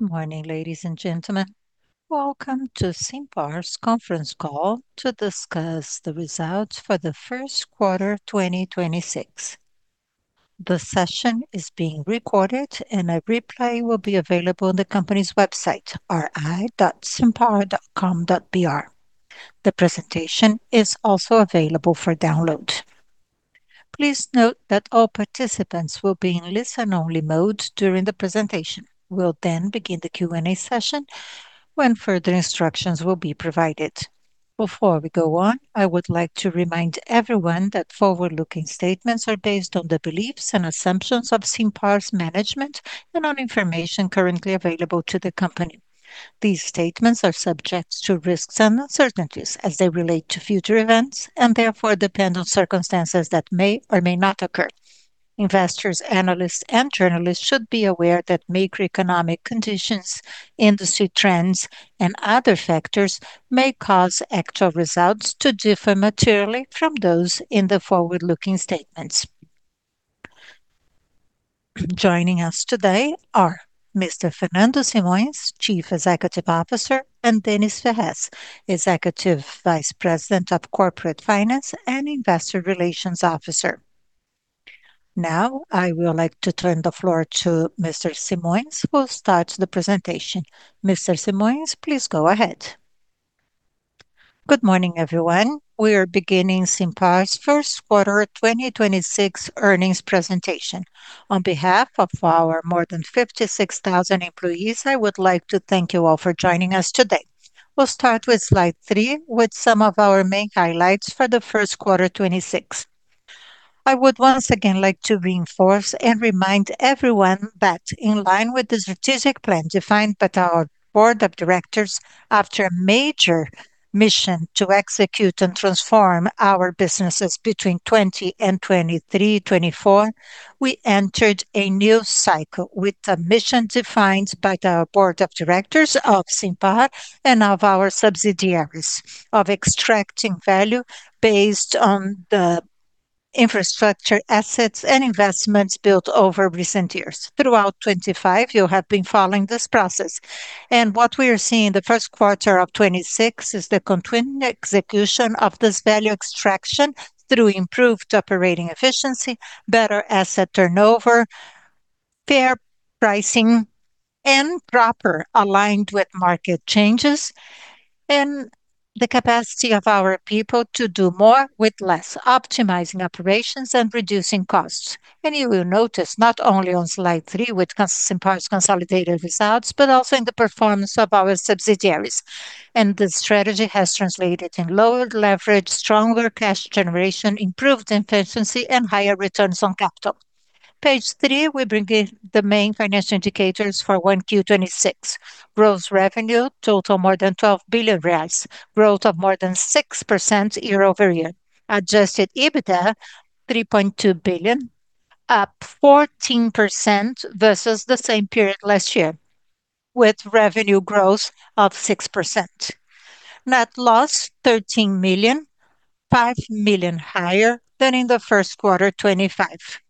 Good morning, ladies and gentlemen. Welcome to SIMPAR's conference call to discuss the results for the first quarter, 2026. The session is being recorded, and a replay will be available on the company's website, ri.simpar.com.br. The presentation is also available for download. Please note that all participants will be in listen-only mode during the presentation. We'll then begin the Q&A session when further instructions will be provided. Before we go on, I would like to remind everyone that forward-looking statements are based on the beliefs and assumptions of SIMPAR's management and on information currently available to the company. These statements are subject to risks and uncertainties as they relate to future events, and therefore depend on circumstances that may or may not occur. Investors, analysts, and journalists should be aware that major economic conditions, industry trends, and other factors may cause actual results to differ materially from those in the forward-looking statements. Joining us today are Mr. Fernando Simões, Chief Executive Officer, and Denys Ferrez, Executive Vice President of Corporate Finance and Investor Relations Officer. Now, I would like to turn the floor to Mr. Simões, who will start the presentation. Mr. Simões, please go ahead. Good morning, everyone. We are beginning SIMPAR's first quarter 2026 earnings presentation. On behalf of our more than 56,000 employees, I would like to thank you all for joining us today. We'll start with slide three with some of our main highlights for the first quarter 2026. I would once again like to reinforce and remind everyone that in line with the strategic plan defined by our board of directors after a major mission to execute and transform our businesses between 2020 and 2023, 2024, we entered a new cycle with a mission defined by the board of directors of SIMPAR and of our subsidiaries of extracting value based on the infrastructure, assets, and investments built over recent years. Throughout 2025, you have been following this process. What we are seeing in the first quarter of 2026 is the continuing execution of this value extraction through improved operating efficiency, better asset turnover, fair pricing, and proper aligned with market changes, and the capacity of our people to do more with less, optimizing operations and reducing costs. You will notice not only on slide three, which consists SIMPAR's consolidated results, but also in the performance of our subsidiaries. The strategy has translated in lowered leverage, stronger cash generation, improved efficiency, and higher returns on capital. Page three, we bring in the main financial indicators for 1Q 2026. Gross revenue total more than 12 billion reais. Growth of more than 6% year-over-year. Adjusted EBITDA, 3.2 billion, up 14% versus the same period last year, with revenue growth of 6%. Net loss, 13 million, 5 million higher than in the first quarter 2025.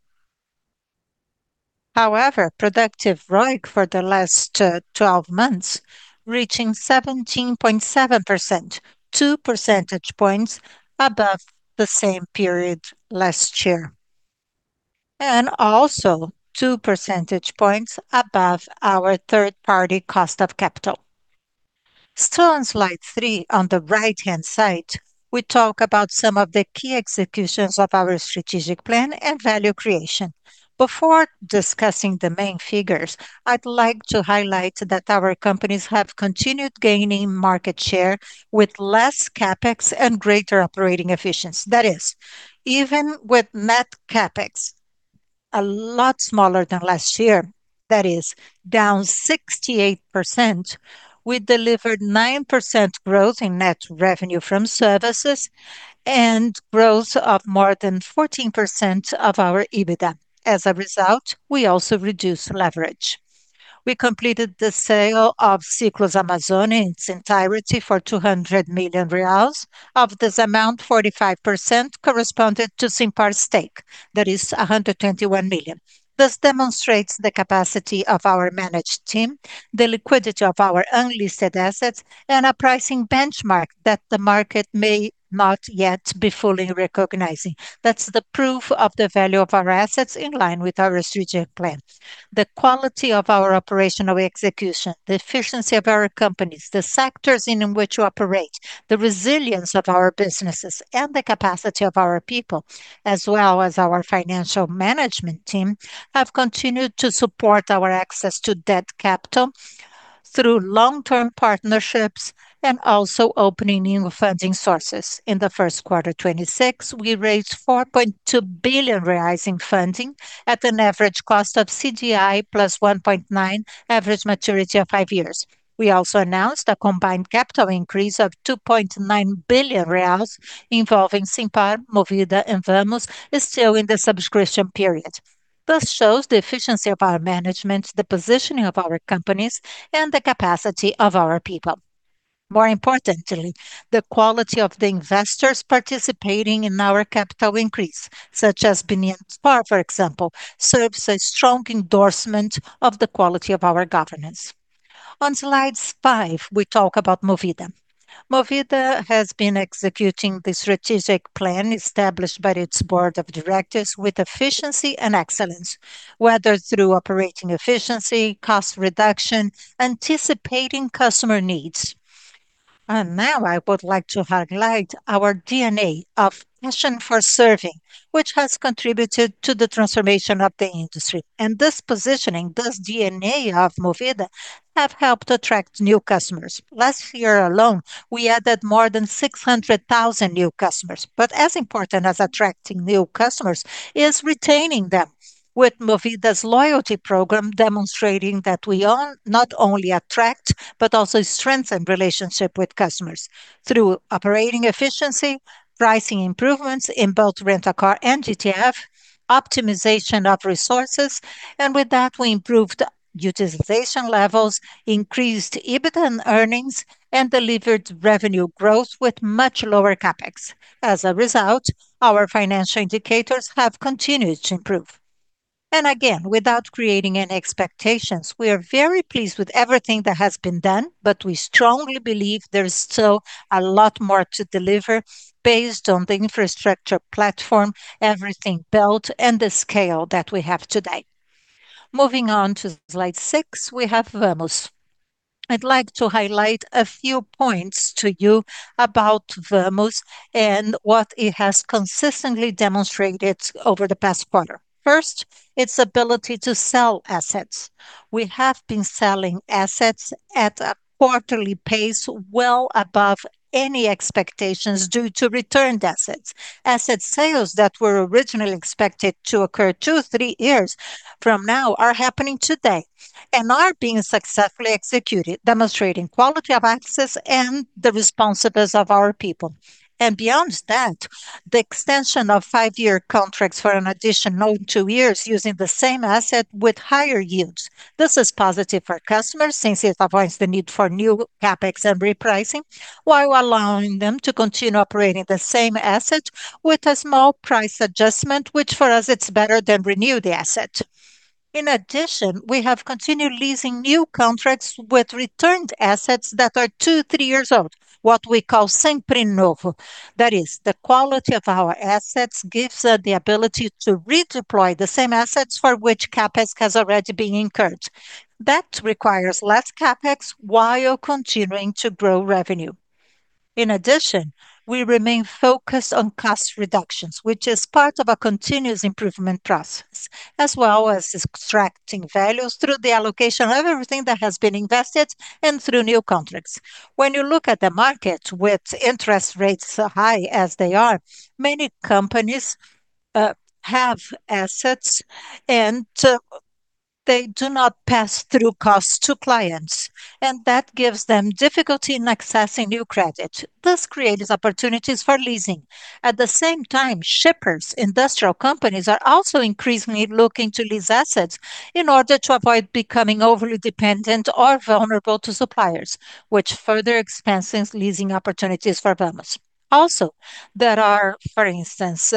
However, productive ROIC for the last 12 months, reaching 17.7%, 2 percentage points above the same period last year, and also 2 percentage points above our third-party cost of capital. Still on slide three, on the right-hand side, we talk about some of the key executions of our strategic plan and value creation. Before discussing the main figures, I'd like to highlight that our companies have continued gaining market share with less CapEx and greater operating efficiency. That is, even with net CapEx a lot smaller than last year, that is down 68%, we delivered 9% growth in net revenue from services and growth of more than 14% of our EBITDA. As a result, we also reduced leverage. We completed the sale of Ciclus Amazônia in its entirety for 200 million reais. Of this amount, 45% corresponded to SIMPAR's stake. That is 121 million. This demonstrates the capacity of our managed team, the liquidity of our unlisted assets, and a pricing benchmark that the market may not yet be fully recognizing. That's the proof of the value of our assets in line with our strategic plan. The quality of our operational execution, the efficiency of our companies, the sectors in and which we operate, the resilience of our businesses, and the capacity of our people, as well as our financial management team, have continued to support our access to debt capital through long-term partnerships and also opening new funding sources. In the first quarter 2026, we raised 4.2 billion reais in funding at an average cost of CDI plus 1.9, average maturity of five years. We also announced a combined capital increase of 2.9 billion reais involving SIMPAR, Movida, and Vamos is still in the subscription period. This shows the efficiency of our management, the positioning of our companies, and the capacity of our people. More importantly, the quality of the investors participating in our capital increase, such as BNDESPar, for example, serves a strong endorsement of the quality of our governance. On slides five, we talk about Movida. Movida has been executing the strategic plan established by its board of directors with efficiency and excellence, whether through operating efficiency, cost reduction, anticipating customer needs. Now I would like to highlight our DNA of passion for serving, which has contributed to the transformation of the industry. This positioning, this DNA of Movida, have helped attract new customers. Last year alone, we added more than 600,000 new customers. As important as attracting new customers is retaining them with Movida's loyalty program demonstrating that we not only attract, but also strengthen relationship with customers through operating efficiency, pricing improvements in both Rent-a-Car and GTF, optimization of resources, and with that, we improved utilization levels, increased EBIT and earnings, and delivered revenue growth with much lower CapEx. As a result, our financial indicators have continued to improve. Again, without creating any expectations, we are very pleased with everything that has been done, but we strongly believe there is still a lot more to deliver based on the infrastructure platform, everything built, and the scale that we have today. Moving on to slide slide, we have Vamos. I'd like to highlight a few points to you about Vamos and what it has consistently demonstrated over the past quarter. First, its ability to sell assets. We have been selling assets at a quarterly pace well above any expectations due to returned assets. Asset sales that were originally expected to occur two, three years from now are happening today and are being successfully executed, demonstrating quality of assets and the responsibilities of our people. Beyond that, the extension of five-year contracts for an additional two years using the same asset with higher yields. This is positive for customers since it avoids the need for new CapEx and repricing, while allowing them to continue operating the same asset with a small price adjustment, which for us it's better than renew the asset. In addition, we have continued leasing new contracts with returned assets that are two, three years old, what we call Sempre Novo. That is, the quality of our assets gives the ability to redeploy the same assets for which CapEx has already been incurred. That requires less CapEx while continuing to grow revenue. In addition, we remain focused on cost reductions, which is part of a continuous improvement process, as well as extracting values through the allocation of everything that has been invested and through new contracts. When you look at the market with interest rates high as they are, many companies have assets, and they do not pass through costs to clients, and that gives them difficulty in accessing new credit. This creates opportunities for leasing. At the same time, shippers, industrial companies are also increasingly looking to lease assets in order to avoid becoming overly dependent or vulnerable to suppliers, which further expands leasing opportunities for Vamos. There are, for instance,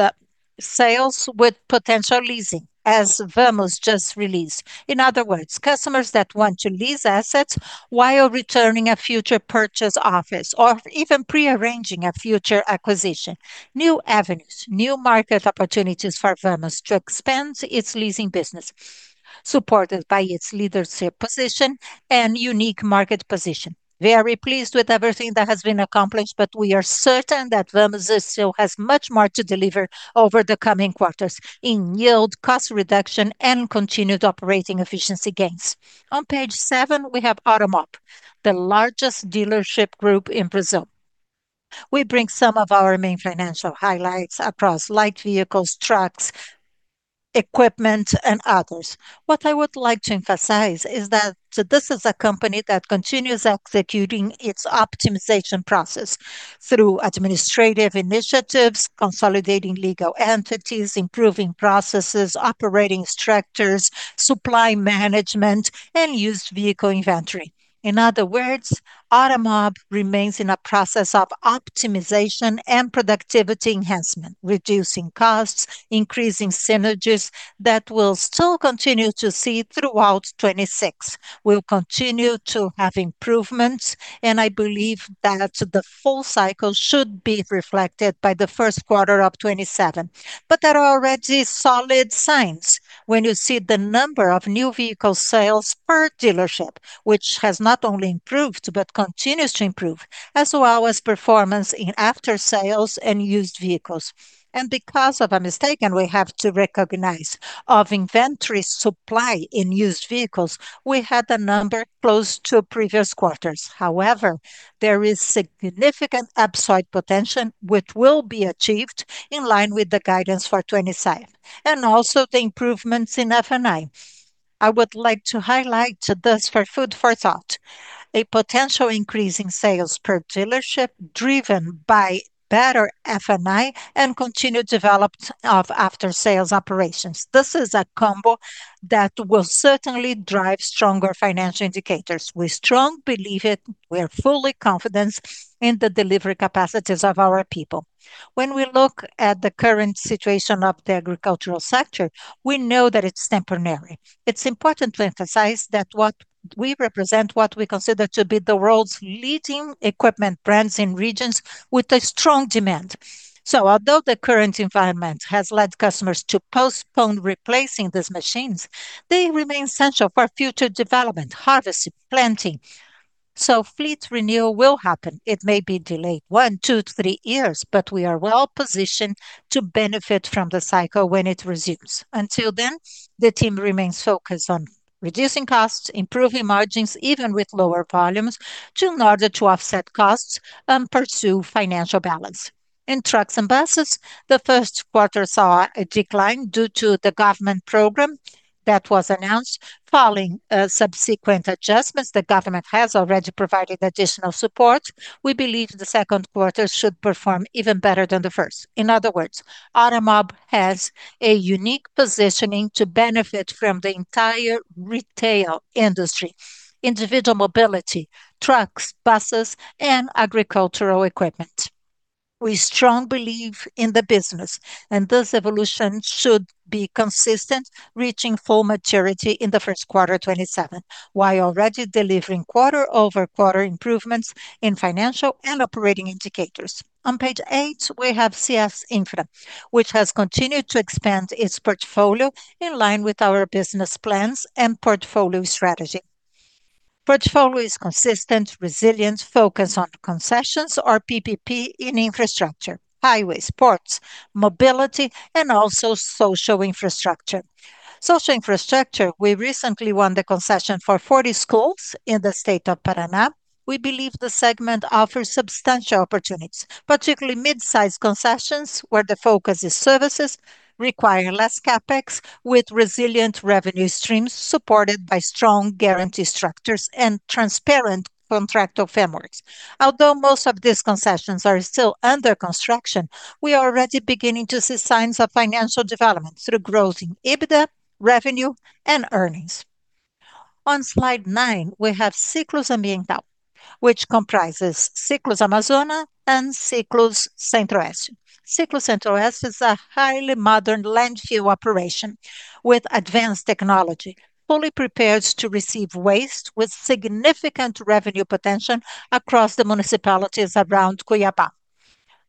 sales with potential leasing as Vamos just released. In other words, customers that want to lease assets while returning a future purchase office or even pre-arranging a future acquisition. New avenues, new market opportunities for Vamos to expand its leasing business, supported by its leadership position and unique market position. Very pleased with everything that has been accomplished. We are certain that Vamos still has much more to deliver over the coming quarters in yield, cost reduction, and continued operating efficiency gains. On page seven, we have Automob, the largest dealership group in Brazil. We bring some of our main financial highlights across light vehicles, trucks, equipment, and others. What I would like to emphasize is that this is a company that continues executing its optimization process through administrative initiatives, consolidating legal entities, improving processes, operating structures, supply management, and used vehicle inventory. In other words, Automob remains in a process of optimization and productivity enhancement, reducing costs, increasing synergies that we'll still continue to see throughout 2026. I believe that the full cycle should be reflected by the first quarter of 2027. There are already solid signs when you see the number of new vehicle sales per dealership, which has not only improved, but continues to improve, as well as performance in after-sales and used vehicles. Because of a mistake, and we have to recognize, of inventory supply in used vehicles, we had a number close to previous quarters. However, there is significant upside potential, which will be achieved in line with the guidance for 2027, and also the improvements in F&I. I would like to highlight this for food for thought. A potential increase in sales per dealership driven by better F&I and continued development of after-sales operations. This is a combo that will certainly drive stronger financial indicators. We strongly believe it. We are fully confident in the delivery capacities of our people. When we look at the current situation of the agricultural sector, we know that it's temporary. It's important to emphasize that what we represent, what we consider to be the world's leading equipment brands in regions with a strong demand. Although the current environment has led customers to postpone replacing these machines, they remain essential for future development, harvesting, planting. Fleet renewal will happen. It may be delayed one, two, three years, but we are well-positioned to benefit from the cycle when it resumes. Until then, the team remains focused on reducing costs, improving margins, even with lower volumes, in order to offset costs and pursue financial balance. In trucks and buses, the first quarter saw a decline due to the government program that was announced following subsequent adjustments. The government has already provided additional support. We believe the second quarter should perform even better than the first. In other words, Automob has a unique positioning to benefit from the entire retail industry, individual mobility, trucks, buses, and agricultural equipment. We strong believe in the business, and this evolution should be consistent, reaching full maturity in the first quarter 2027, while already delivering quarter-over-quarter improvements in financial and operating indicators. On page eight, we have CS Infra, which has continued to expand its portfolio in line with our business plans and portfolio strategy. Portfolio is consistent, resilient, focused on concessions or PPP in infrastructure, highways, ports, mobility, and also social infrastructure. Social infrastructure, we recently won the concession for 40 schools in the sate of Paraná. We believe the segment offers substantial opportunities, particularly mid-size concessions where the focus is services require less CapEx with resilient revenue streams supported by strong guarantee structures and transparent contractual frameworks. Although most of these concessions are still under construction, we are already beginning to see signs of financial development through growth in EBITDA, revenue, and earnings. On slide nine, we have Ciclus Ambiental, which comprises Ciclus Amazônia and Ciclus Centro-Oeste. Ciclus Centro-Oeste is a highly modern landfill operation with advanced technology, fully prepared to receive waste with significant revenue potential across the municipalities around Cuiabá.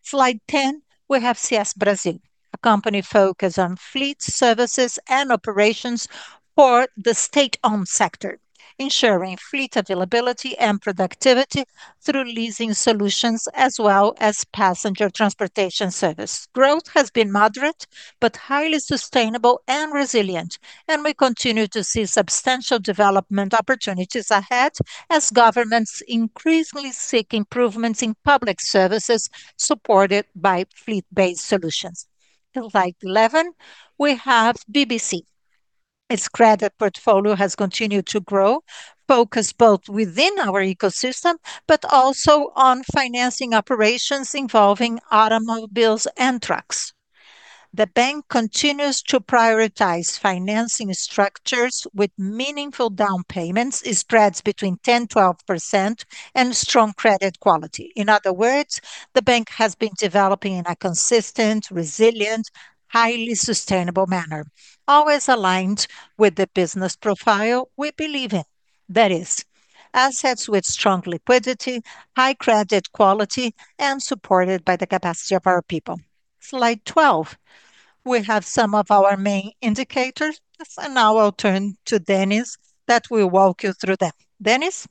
Slide 10, we have CS Brasil, a company focused on fleet services and operations for the state-owned sector, ensuring fleet availability and productivity through leasing solutions as well as passenger transportation service. Growth has been moderate, but highly sustainable and resilient, and we continue to see substantial development opportunities ahead as governments increasingly seek improvements in public services supported by fleet-based solutions. In slide 11, we have BBC. Its credit portfolio has continued to grow, focused both within our ecosystem, but also on financing operations involving automobiles and trucks. The bank continues to prioritize financing structures with meaningful down payments. It spreads between 10%-12% and strong credit quality. In other words, the bank has been developing in a consistent, resilient, highly sustainable manner, always aligned with the business profile we believe in. That is, assets with strong liquidity, high credit quality, and supported by the capacity of our people. Slide 12, we have some of our main indicators. Now I'll turn to Denys, that will walk you through them. Denys?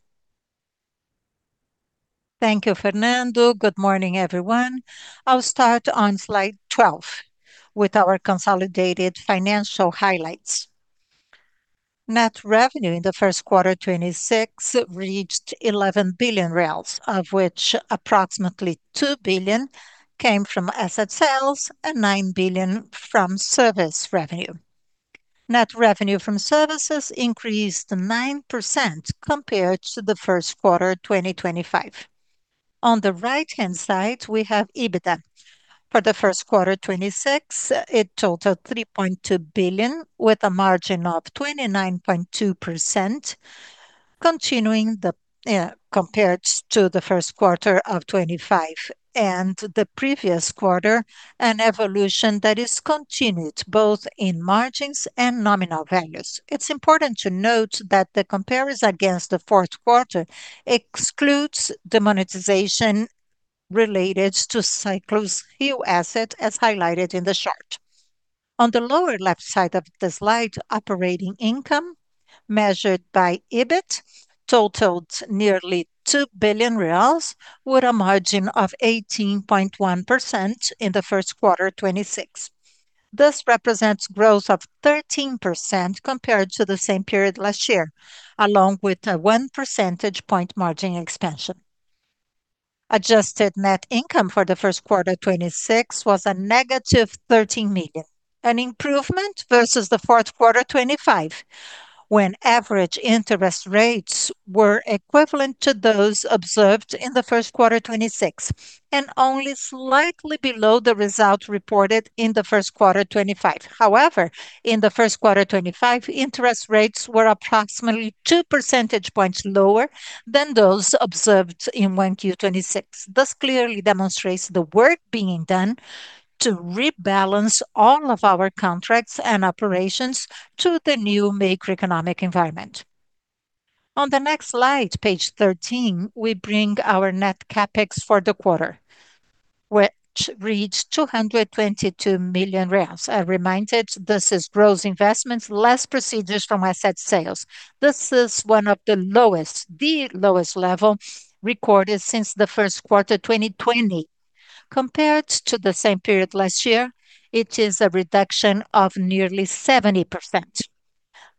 Thank you, Fernando. Good morning, everyone. I'll start on slide 12 with our consolidated financial highlights. Net revenue in the first quarter 2026 reached 11 billion, of which approximately 2 billion came from asset sales and 9 billion from service revenue. Net revenue from services increased 9% compared to the first quarter 2025. On the right-hand side, we have EBITDA. For the first quarter 2026, it totaled 3.2 billion with a margin of 29.2%, continuing the compared to the first quarter of 2025 and the previous quarter, an evolution that is continued both in margins and nominal values. It's important to note that the comparison against the fourth quarter excludes the monetization related to Ciclus fuel asset, as highlighted in the chart. On the lower left side of the slide, operating income measured by EBIT totaled nearly 2 billion reais with a margin of 18.1% in the first quarter 2026. This represents growth of 13% compared to the same period last year, along with a 1 percentage point margin expansion. Adjusted net income for the first quarter 2026 was a -13 million, an improvement versus the fourth quarter 2025 when average interest rates were equivalent to those observed in the first quarter 2026, and only slightly below the result reported in the first quarter 2025. In the first quarter 2025, interest rates were approximately 2 percentage points lower than those observed in 1Q 2026. This clearly demonstrates the work being done to rebalance all of our contracts and operations to the new macroeconomic environment. On the next slide, page 13, we bring our net CapEx for the quarter, which reached BRL 222 million. A reminder, this is gross investments, less procedures from asset sales. This is the lowest level recorded since the first quarter 2020. Compared to the same period last year, it is a reduction of nearly 70%.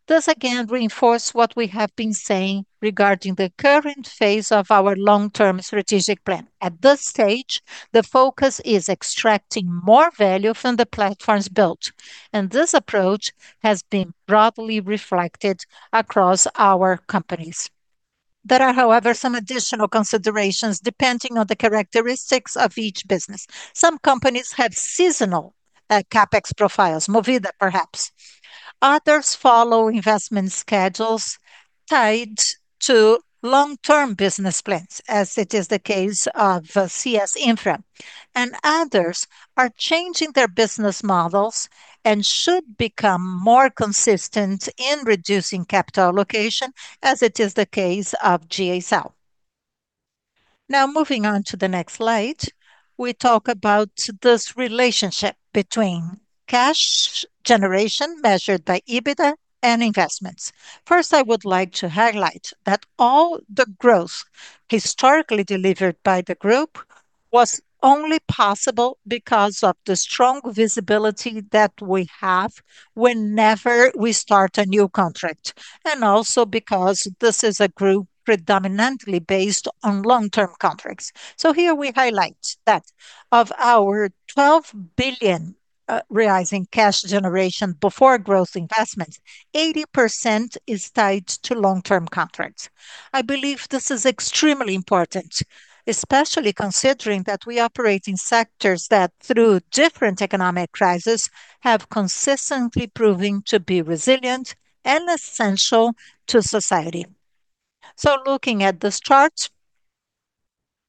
This again reinforce what we have been saying regarding the current phase of our long-term strategic plan. At this stage, the focus is extracting more value from the platforms built. This approach has been broadly reflected across our companies. There are, however, some additional considerations depending on the characteristics of each business. Some companies have seasonal CapEx profiles, Movida perhaps. Others follow investment schedules tied to long-term business plans, as it is the case of CS Infra. Others are changing their business models and should become more consistent in reducing capital allocation, as it is the case of GA S.A. Now moving on to the next slide, we talk about this relationship between cash generation measured by EBITDA and investments. First, I would like to highlight that all the growth historically delivered by the group was only possible because of the strong visibility that we have whenever we start a new contract, and also because this is a group predominantly based on long-term contracts. Here we highlight that of our 12 billion rising cash generation before gross investment, 80% is tied to long-term contracts. I believe this is extremely important, especially considering that we operate in sectors that, through different economic crises, have consistently proven to be resilient and essential to society. Looking at this chart,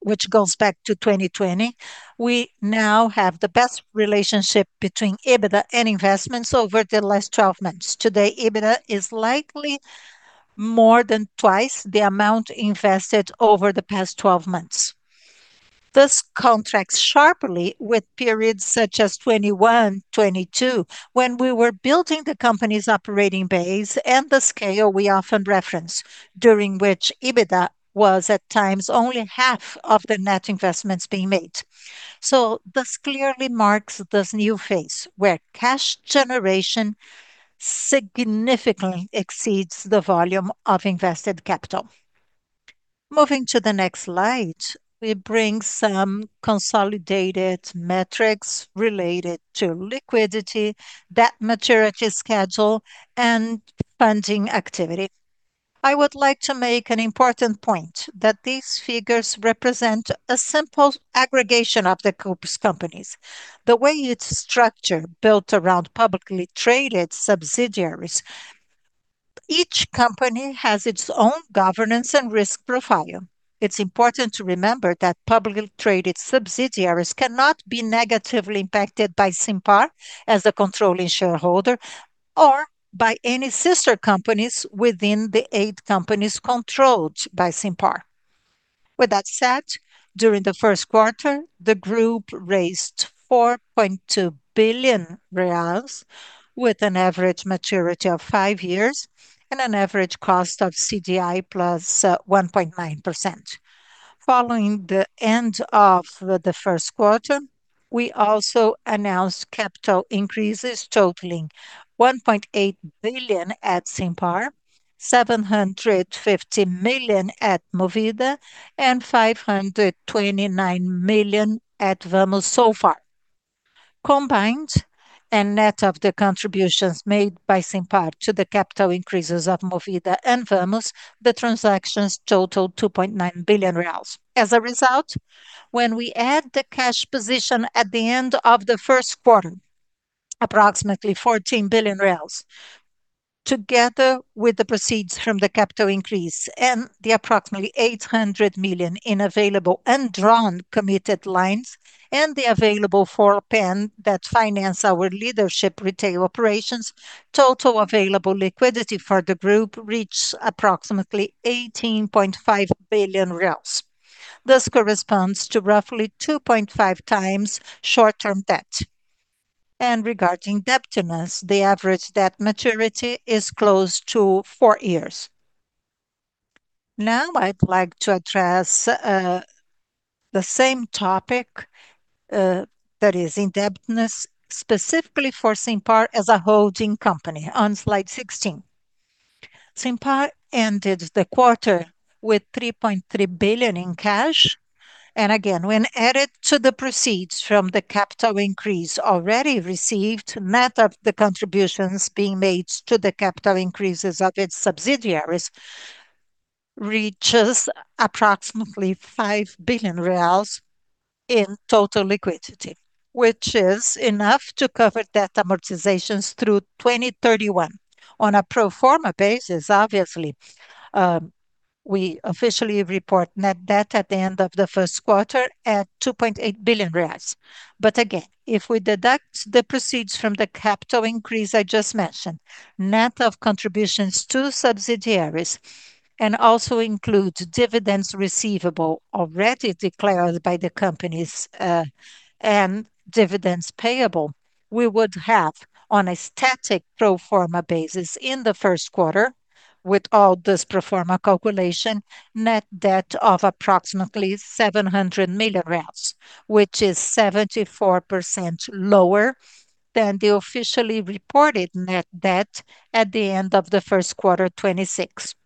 which goes back to 2020, we now have the best relationship between EBITDA and investments over the last 12 months. Today, EBITDA is likely more than twice the amount invested over the past 12 months. This contracts sharply with periods such as 2021, 2022, when we were building the company's operating base and the scale we often reference, during which EBITDA was, at times, only half of the net investments being made. This clearly marks this new phase where cash generation significantly exceeds the volume of invested capital. Moving to the next slide, we bring some consolidated metrics related to liquidity, debt maturity schedule, and funding activity. I would like to make an important point that these figures represent a simple aggregation of the group's companies. The way it's structured, built around publicly traded subsidiaries, each company has its own governance and risk profile. It's important to remember that publicly traded subsidiaries cannot be negatively impacted by SIMPAR as a controlling shareholder, or by any sister companies within the eight companies controlled by SIMPAR. That said, during the first quarter, the group raised 4.2 billion reais with an average maturity of five years and an average cost of CDI +1.9%. Following the end of the first quarter, we also announced capital increases totaling 1.8 billion at SIMPAR, 750 million at Movida, and 529 million at Vamos so far. Combined and net of the contributions made by SIMPAR to the capital increases of Movida and Vamos, the transactions totaled 2.9 billion reais. As a result, when we add the cash position at the end of the first quarter, approximately 14 billion reais, together with the proceeds from the capital increase and the approximately 800 million in available and drawn committed lines, and the available for [inaudible] that finance our leadership retail operations, total available liquidity for the group reached approximately BRL 18.5 billion. This corresponds to roughly 2.5 times short-term debt. Regarding indebtedness, the average debt maturity is close to four years. Now I'd like to address the same topic, that is in indebtedness, specifically for SIMPAR as a holding company on slide 16, SIMPAR ended the quarter with 3.3 billion in cash. Again, when added to the proceeds from the capital increase already received, net of the contributions being made to the capital increases of its subsidiaries, reaches approximately 5 billion reais in total liquidity, which is enough to cover debt amortizations through 2031 on a pro forma basis, obviously. We officially report net debt at the end of the first quarter at 2.8 billion reais. Again, if we deduct the proceeds from the capital increase I just mentioned, net of contributions to subsidiaries, and also include dividends receivable already declared by the company's dividends payable, we would have on a static pro forma basis in the first quarter, with all this pro forma calculation, net debt of approximately BRL 700 million, which is 74% lower than the officially reported net debt at the end of the first quarter 2026.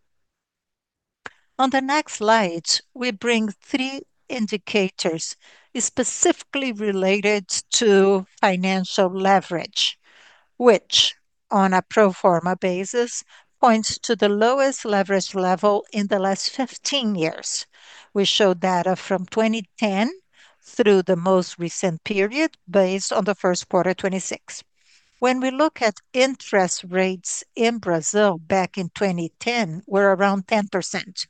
On the next slide, we bring three indicators specifically related to financial leverage, which on a pro forma basis points to the lowest leverage level in the last 15 years. We show data from 2010 through the most recent period based on the first quarter 2026. When we look at interest rates in Brazil back in 2010 were around 10%.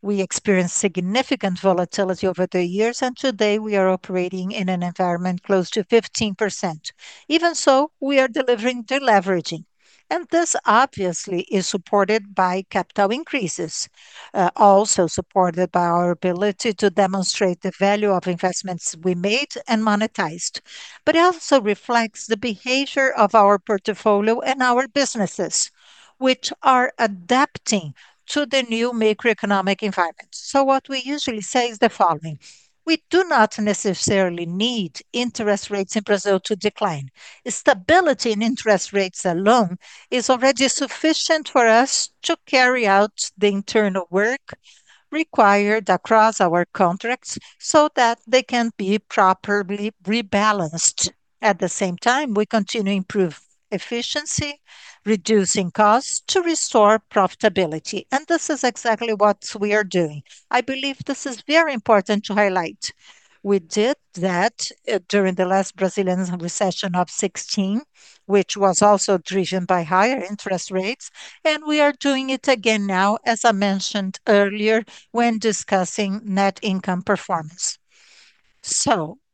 We experienced significant volatility over the years, and today we are operating in an environment close to 15%. Even so, we are delivering deleveraging, and this obviously is supported by capital increases, also supported by our ability to demonstrate the value of investments we made and monetized. It also reflects the behavior of our portfolio and our businesses, which are adapting to the new macroeconomic environment. What we usually say is the following: We do not necessarily need interest rates in Brazil to decline. Stability in interest rates alone is already sufficient for us to carry out the internal work required across our contracts so that they can be properly rebalanced. At the same time, we continue to improve efficiency, reducing costs to restore profitability, and this is exactly what we are doing. I believe this is very important to highlight. We did that during the last Brazilian recession of 2016, which was also driven by higher interest rates, and we are doing it again now, as I mentioned earlier, when discussing net income performance.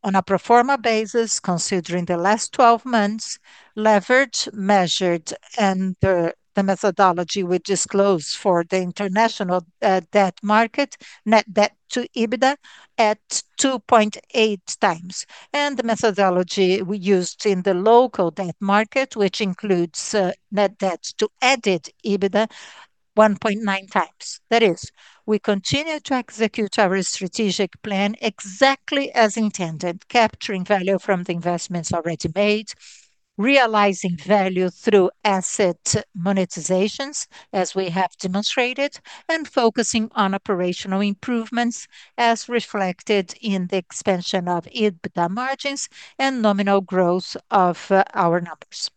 On a pro forma basis, considering the last 12 months, leverage measured under the methodology we disclose for the international debt market, net debt to EBITDA at 2.8 times. The methodology we used in the local debt market, which includes net debt to adjusted EBITDA 1.9 times. That is, we continue to execute our strategic plan exactly as intended, capturing value from the investments already made, realizing value through asset monetizations, as we have demonstrated, and focusing on operational improvements, as reflected in the expansion of EBITDA margins and nominal growth of our numbers.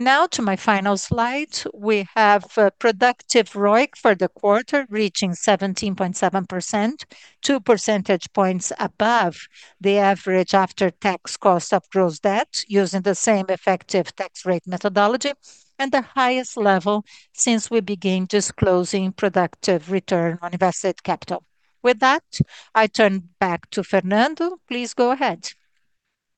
To my final slide, we have productive ROIC for the quarter reaching 17.7%, 2 percentage points above the average after-tax cost of gross debt using the same effective tax rate methodology and the highest level since we began disclosing productive return on invested capital. I turn back to Fernando. Please go ahead.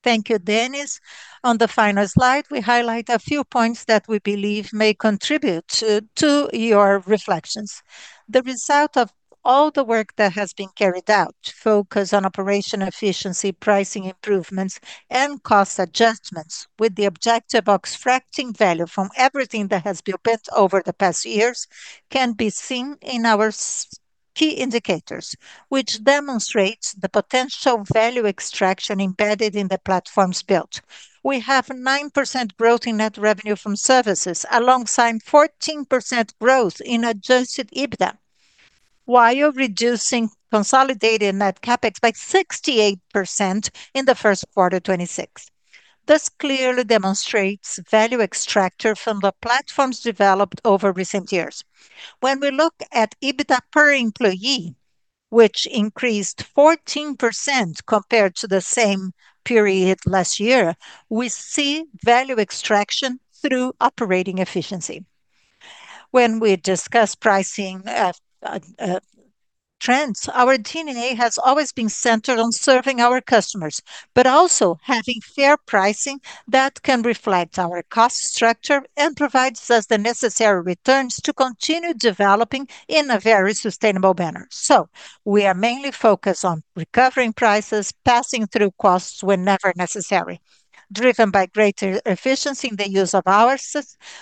Thank you, Denys. On the final slide, we highlight a few points that we believe may contribute to your reflections. The result of all the work that has been carried out focus on operational efficiency, pricing improvements, and cost adjustments with the objective of extracting value from everything that has been built over the past years can be seen in our key indicators, which demonstrates the potential value extraction embedded in the platforms built. We have 9% growth in net revenue from services, alongside 14% growth in adjusted EBITDA, while reducing consolidated net CapEx by 68% in the first quarter 2026. This clearly demonstrates value extraction from the platforms developed over recent years. When we look at EBITDA per employee, which increased 14% compared to the same period last year, we see value extraction through operating efficiency. When we discuss pricing trends, our DNA has always been centered on serving our customers, but also having fair pricing that can reflect our cost structure and provides us the necessary returns to continue developing in a very sustainable manner. We are mainly focused on recovering prices, passing through costs whenever necessary. Driven by greater efficiency in the use of hours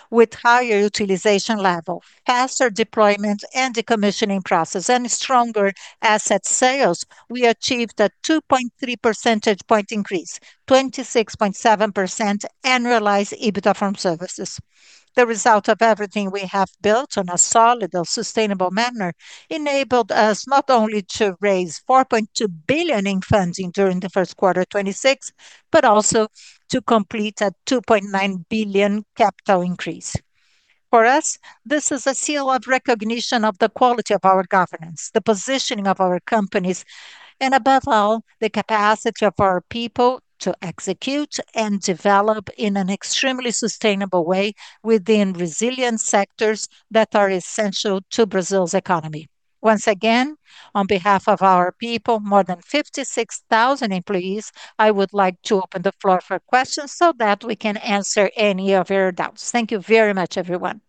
with higher utilization level, faster deployment and decommissioning process, and stronger asset sales, we achieved a 2.3 percentage point increase, 26.7% annualized EBITDA from services. The result of everything we have built on a solid and sustainable manner enabled us not only to raise 4.2 billion in funding during the first quarter 2026, but also to complete a 2.9 billion capital increase. For us, this is a seal of recognition of the quality of our governance, the positioning of our companies, and above all, the capacity of our people to execute and develop in an extremely sustainable way within resilient sectors that are essential to Brazil's economy. Once again, on behalf of our people, more than 56,000 employees, I would like to open the floor for questions so that we can answer any of your doubts. Thank you very much, everyone.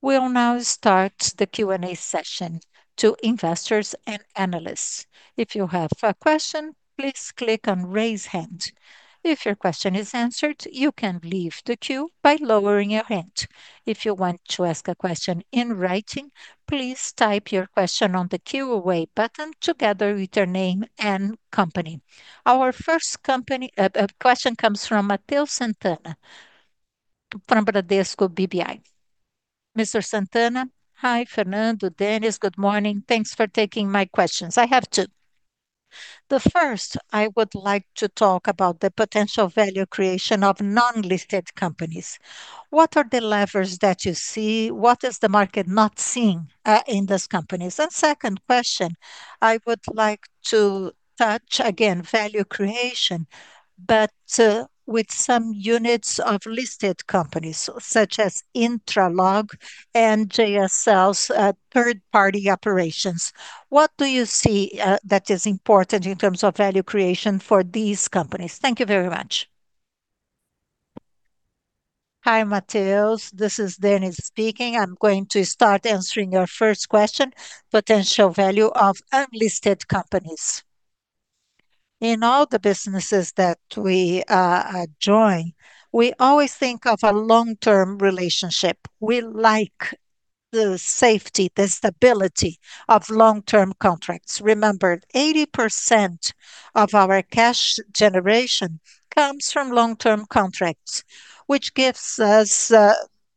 We'll now start the Q&A session to investors and analysts. If you have a question, please click on Raise Hand. If your question is answered, you can leave the queue by lowering your hand. If you want to ask a question in writing, please type your question on the Q&A button together with your name and company. Our first company question comes from Matheus Sant'Anna from Bradesco BBI. Mr. Sant'Anna? Hi, Fernando, Denys. Good morning. Thanks for taking my questions. I have two. The first, I would like to talk about the potential value creation of non-listed companies. What are the levers that you see? What is the market not seeing in these companies? Second question, I would like to touch again value creation, but with some units of listed companies such as Intralog and JSL's third-party operations. What do you see that is important in terms of value creation for these companies? Thank you very much. Hi, Matheus. This is Denys speaking. I'm going to start answering your first question, potential value of unlisted companies. In all the businesses that we join, we always think of a long-term relationship. We like the safety, the stability of long-term contracts. Remember, 80% of our cash generation comes from long-term contracts, which gives us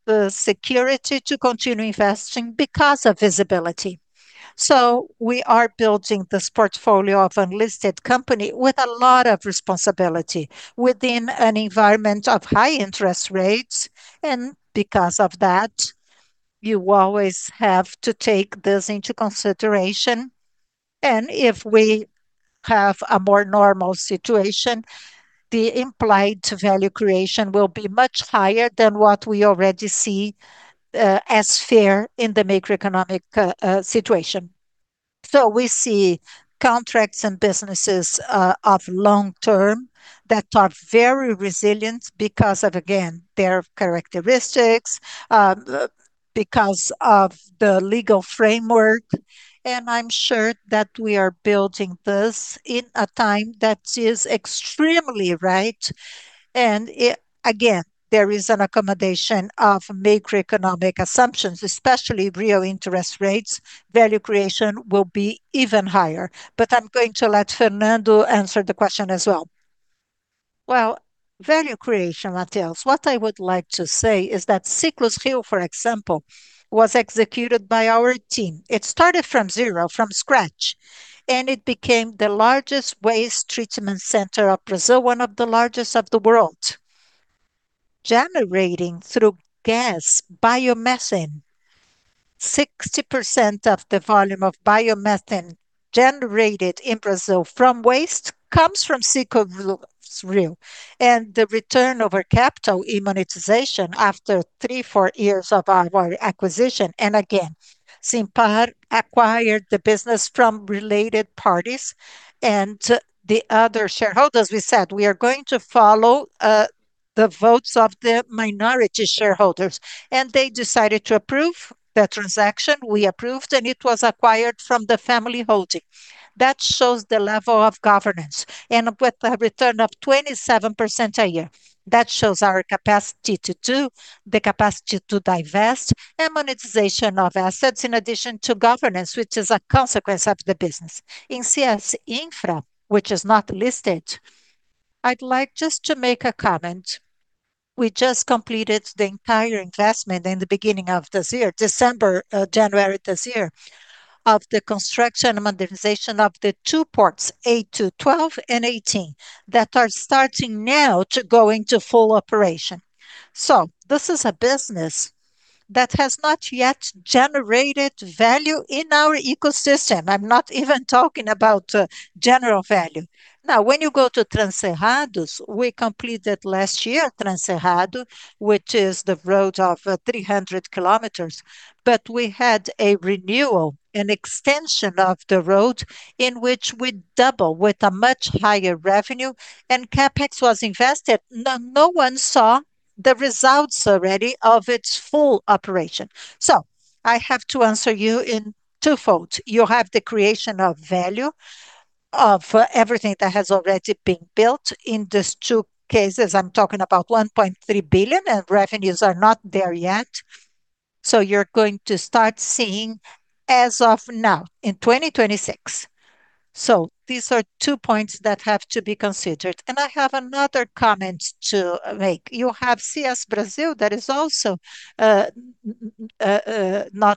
the security to continue investing because of visibility. We are building this portfolio of unlisted company with a lot of responsibility within an environment of high interest rates, and because of that, you always have to take this into consideration. If we have a more normal situation, the implied value creation will be much higher than what we already see as fair in the macroeconomic situation. We see contracts and businesses of long term that are very resilient because of, again, their characteristics, because of the legal framework, and I'm sure that we are building this in a time that is extremely right. Again, there is an accommodation of macroeconomic assumptions, especially real interest rates, value creation will be even higher. I'm going to let Fernando answer the question as well. Value creation, Matheus, what I would like to say is that Ciclus Rio, for example, was executed by our team. It started from zero, from scratch, and it became the largest waste treatment center of Brazil, one of the largest of the world, generating through gas biomethane. 60% of the volume of biomethane generated in Brazil from waste comes from Ciclus Rio. The return over capital in monetization after three, four years of our acquisition. Again, SIMPAR acquired the business from related parties and the other shareholders. We said we are going to follow the votes of the minority shareholders. They decided to approve the transaction. We approved. It was acquired from the family holding. That shows the level of governance. With a return of 27% a year. That shows our capacity to do, the capacity to divest, and monetization of assets in addition to governance, which is a consequence of the business. In CS Infra, which is not listed, I'd like just to make a comment. We just completed the entire investment in the beginning of this year, December, January this year, of the construction and modernization of the two ports, ATU12 and ATU18, that are starting now to go into full operation. This is a business that has not yet generated value in our ecosystem. I'm not even talking about general value. When you go to Transcerrados, we completed last year Transcerrado, which is the road of 300 km, but we had a renewal, an extension of the road in which we double with a much higher revenue, and CapEx was invested. No one saw the results already of its full operation. I have to answer you in twofold. You have the creation of value of everything that has already been built. In these two cases, I'm talking about 1.3 billion, revenues are not there yet. You're going to start seeing as of now, in 2026. These are two points that have to be considered. I have another comment to make. You have CS Brasil that is also not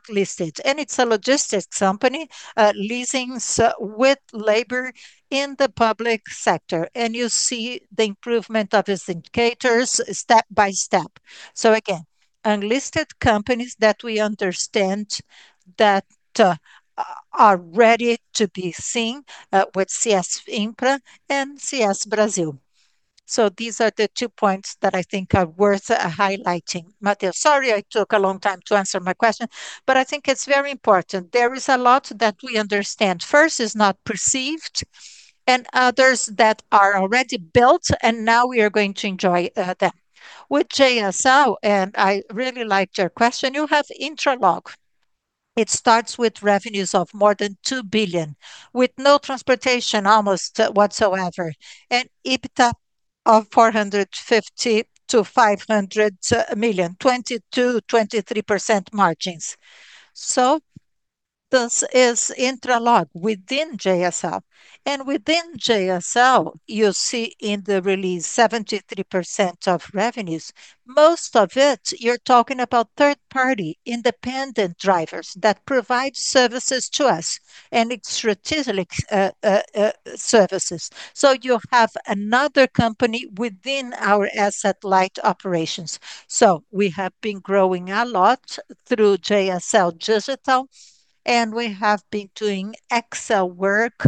listed, it's a logistics company, leasings with labor in the public sector. You see the improvement of its indicators step by step. Again, unlisted companies that we understand that are ready to be seen with CS Infra and CS Brasil. These are the two points that I think are worth highlighting. Matheus, sorry I took a long time to answer my question, I think it's very important. There is a lot that we understand. First is not perceived, others that are already built, and now we are going to enjoy them. With JSL, I really liked your question, you have Intralog. It starts with revenues of more than 2 billion, with no transportation almost whatsoever, and EBITDA of 450 million-500 million, 22%-23% margins. This is Intralog within JSL. Within JSL, you see in the release 73% of revenues. Most of it you're talking about third party, independent drivers that provide services to us, and it's strategic services. You have another company within our asset light operations. We have been growing a lot through and we have been doing excellent work.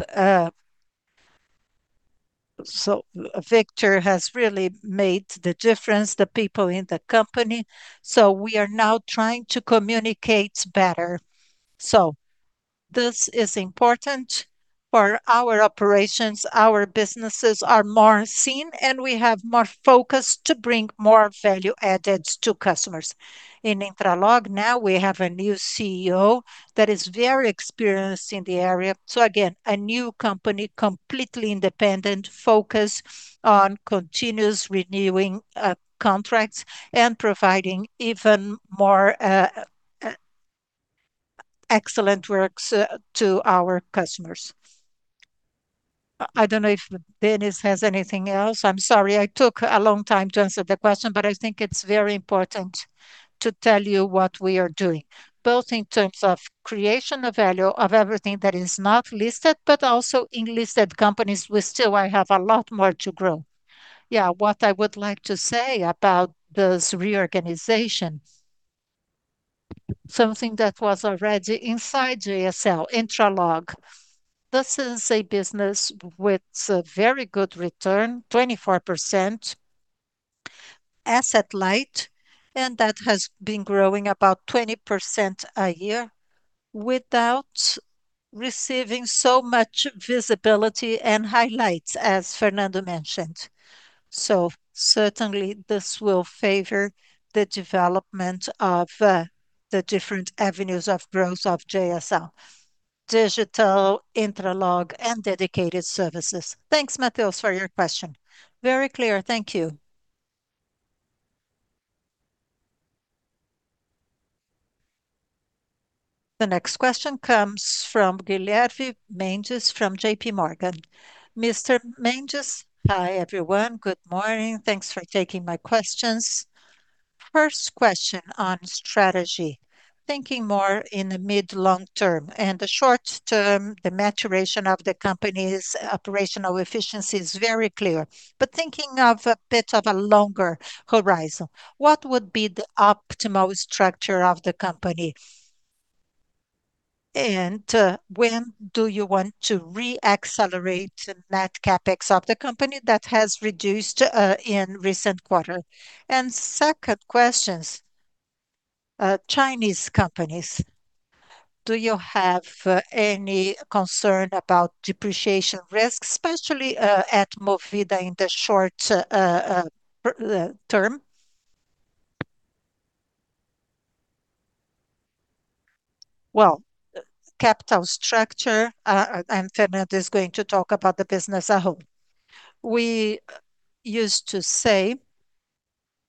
Victor has really made the difference, the people in the company. We are now trying to communicate better. This is important for our operations. Our businesses are more seen, and we have more focus to bring more value added to customers. In Intralog now we have a new CEO that is very experienced in the area. Again, a new company, completely independent, focused on continuous renewing contracts and providing even more excellent works to our customers. I do not know if Denys has anything else. I am sorry I took a long time to answer the question, but I think it is very important to tell you what we are doing, both in terms of creation of value of everything that is not listed, but also in listed companies we still have a lot more to grow. What I would like to say about this reorganization, something that was already inside JSL, Intralog. This is a business with a very good return, 24%, asset light, and that has been growing about 20% a year without receiving so much visibility and highlights, as Fernando mentioned. Certainly this will favor the development of the different avenues of growth of JSL Digital, Intralog and dedicated services. Thanks, Matheus, for your question. Very clear. Thank you. The next question comes from Guilherme Mendes from JPMorgan. Mr. Mendes? Hi, everyone. Good morning. Thanks for taking my questions. First question on strategy. Thinking more in the mid-long term and the short term, the maturation of the company's operational efficiency is very clear. Thinking of a bit of a longer horizon, what would be the optimal structure of the company? When do you want to re-accelerate net CapEx of the company that has reduced in recent quarter? Second questions. Chinese companies, do you have any concern about depreciation risk, especially at Movida in the short term? Well, capital structure, and Fernando is going to talk about the business as a whole. We used to say,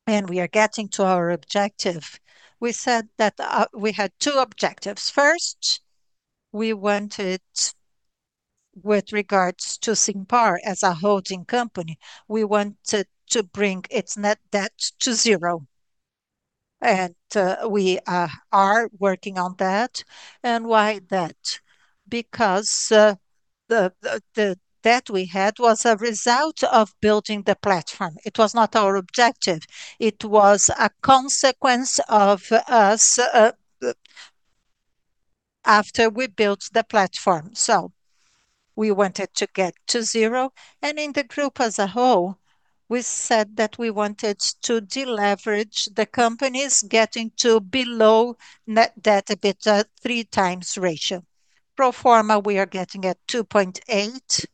and we are getting to our objective. We said that we had two objectives. First, we wanted with regards to SIMPAR as a holding company, we wanted to bring its net debt to zero, and we are working on that. Why that? Because the debt we had was a result of building the platform. It was not our objective. It was a consequence of us after we built the platform. So we wanted to get to zero. In the group as a whole, we said that we wanted to deleverage the companies getting to below net debt-EBITDA 3 times ratio. Pro forma, we are getting at 2.8.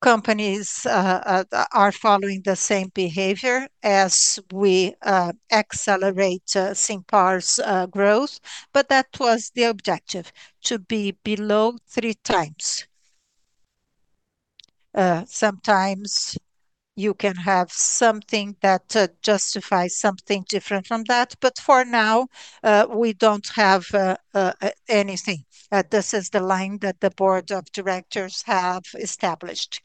Companies are following the same behavior as we accelerate SIMPAR's growth, but that was the objective, to be below 3 times. Sometimes you can have something that justifies something different from that, but for now, we don't have anything. This is the line that the board of directors have established.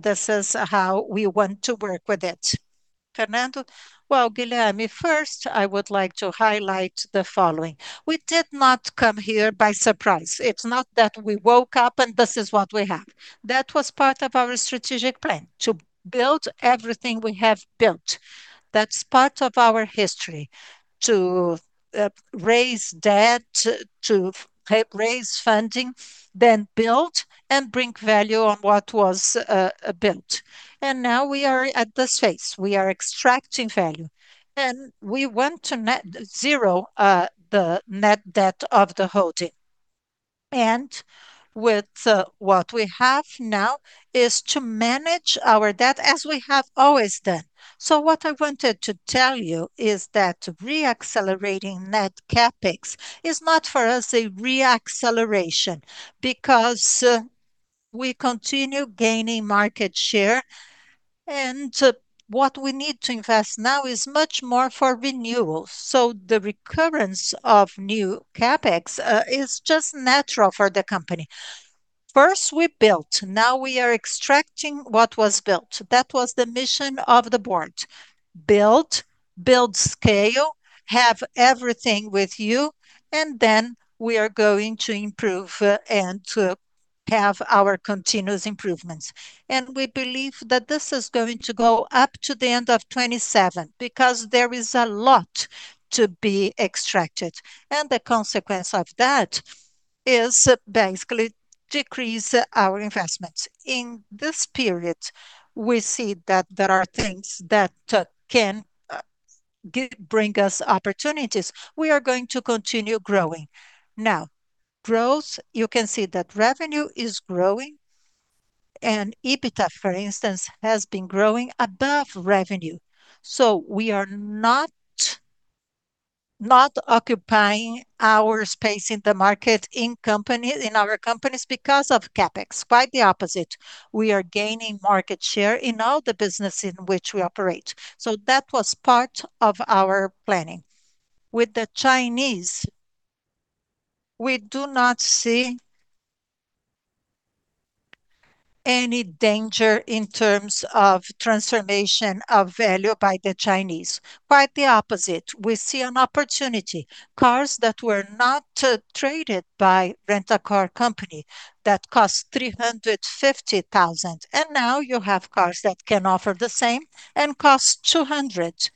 This is how we want to work with it. Fernando? Well, Guilherme, first I would like to highlight the following. We did not come here by surprise. It's not that we woke up and this is what we have. That was part of our strategic plan, to build everything we have built. That's part of our history, to raise debt, to raise funding, then build and bring value on what was built. Now we are at this phase. We are extracting value. We want to net zero the net debt of the holding. With what we have now is to manage our debt as we have always done. What I wanted to tell you is that re-accelerating net CapEx is not for us a re-acceleration, because we continue gaining market share. What we need to invest now is much more for renewal. The recurrence of new CapEx is just natural for the company. First we built, now we are extracting what was built. That was the mission of the board. Build, build scale, have everything with you. We are going to improve and to have our continuous improvements. We believe that this is going to go up to the end of 2027 because there is a lot to be extracted, and the consequence of that is basically decrease our investments. In this period, we see that there are things that can bring us opportunities. We are going to continue growing. Growth, you can see that revenue is growing, and EBITDA, for instance, has been growing above revenue. We are not occupying our space in the market in company, in our companies because of CapEx. Quite the opposite. We are gaining market share in all the business in which we operate. That was part of our planning. With the Chinese, we do not see any danger in terms of transformation of value by the Chinese. Quite the opposite. We see an opportunity. Cars that were not traded by rent-a-car company that cost 350,000, and now you have cars that can offer the same and cost 200,000.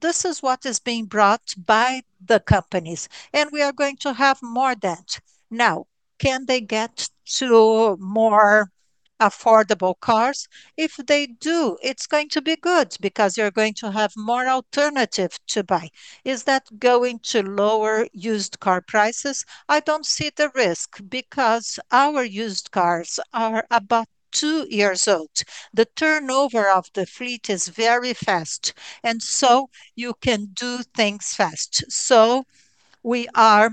This is what is being brought by the companies, and we are going to have more of that. Now, can they get to more affordable cars? If they do, it's going to be good because you're going to have more alternative to buy. Is that going to lower used car prices? I don't see the risk because our used cars are about two years old. The turnover of the fleet is very fast, and so you can do things fast. We are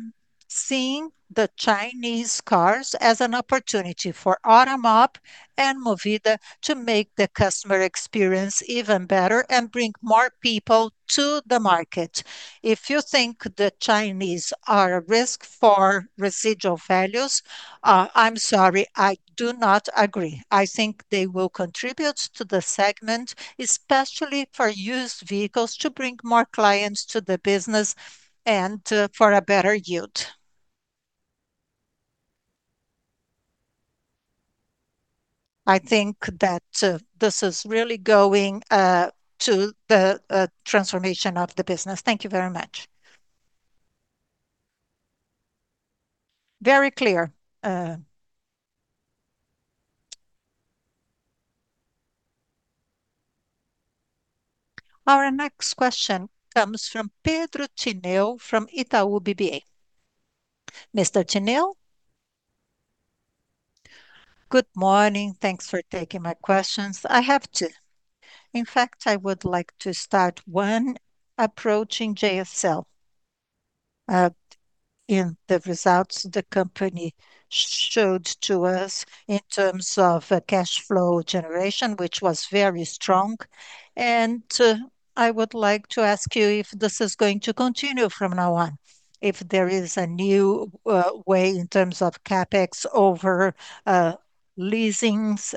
seeing the Chinese cars as an opportunity for Automob and Movida to make the customer experience even better and bring more people to the market. If you think the Chinese are a risk for residual values, I'm sorry, I do not agree. I think they will contribute to the segment, especially for used vehicles, to bring more clients to the business and for a better yield. I think that this is really going to the transformation of the business. Thank you very much. Very clear. Our next question comes from Pedro Tineo from Itaú BBA. Mr. Tineo? Good morning. Thanks for taking my questions. I have two. In fact, I would like to start one approaching JSL. In the results the company showed to us in terms of cash flow generation, which was very strong, I would like to ask you if this is going to continue from now on. If there is a new way in terms of CapEx over leasings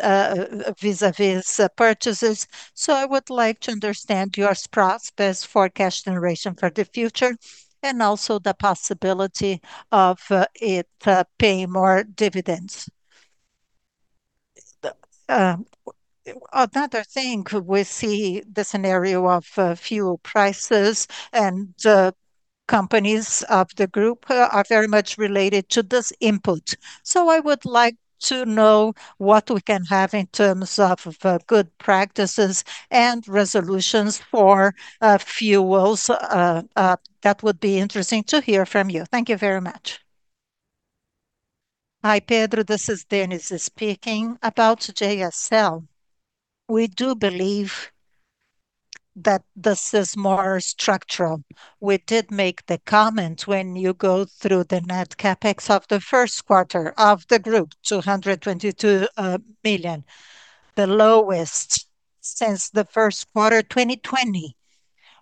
vis-à-vis purchases. I would like to understand your prospects for cash generation for the future, and also the possibility of it pay more dividends. Another thing we see the scenario of fuel prices and companies of the group are very much related to this input. I would like to know what we can have in terms of good practices and resolutions for fuels. That would be interesting to hear from you. Thank you very much. Hi, Pedro. This is Denys' speaking. About JSL, we do believe that this is more structural. We did make the comment when you go through the net CapEx of the first quarter of the group, 222 million. The lowest since the first quarter 2020.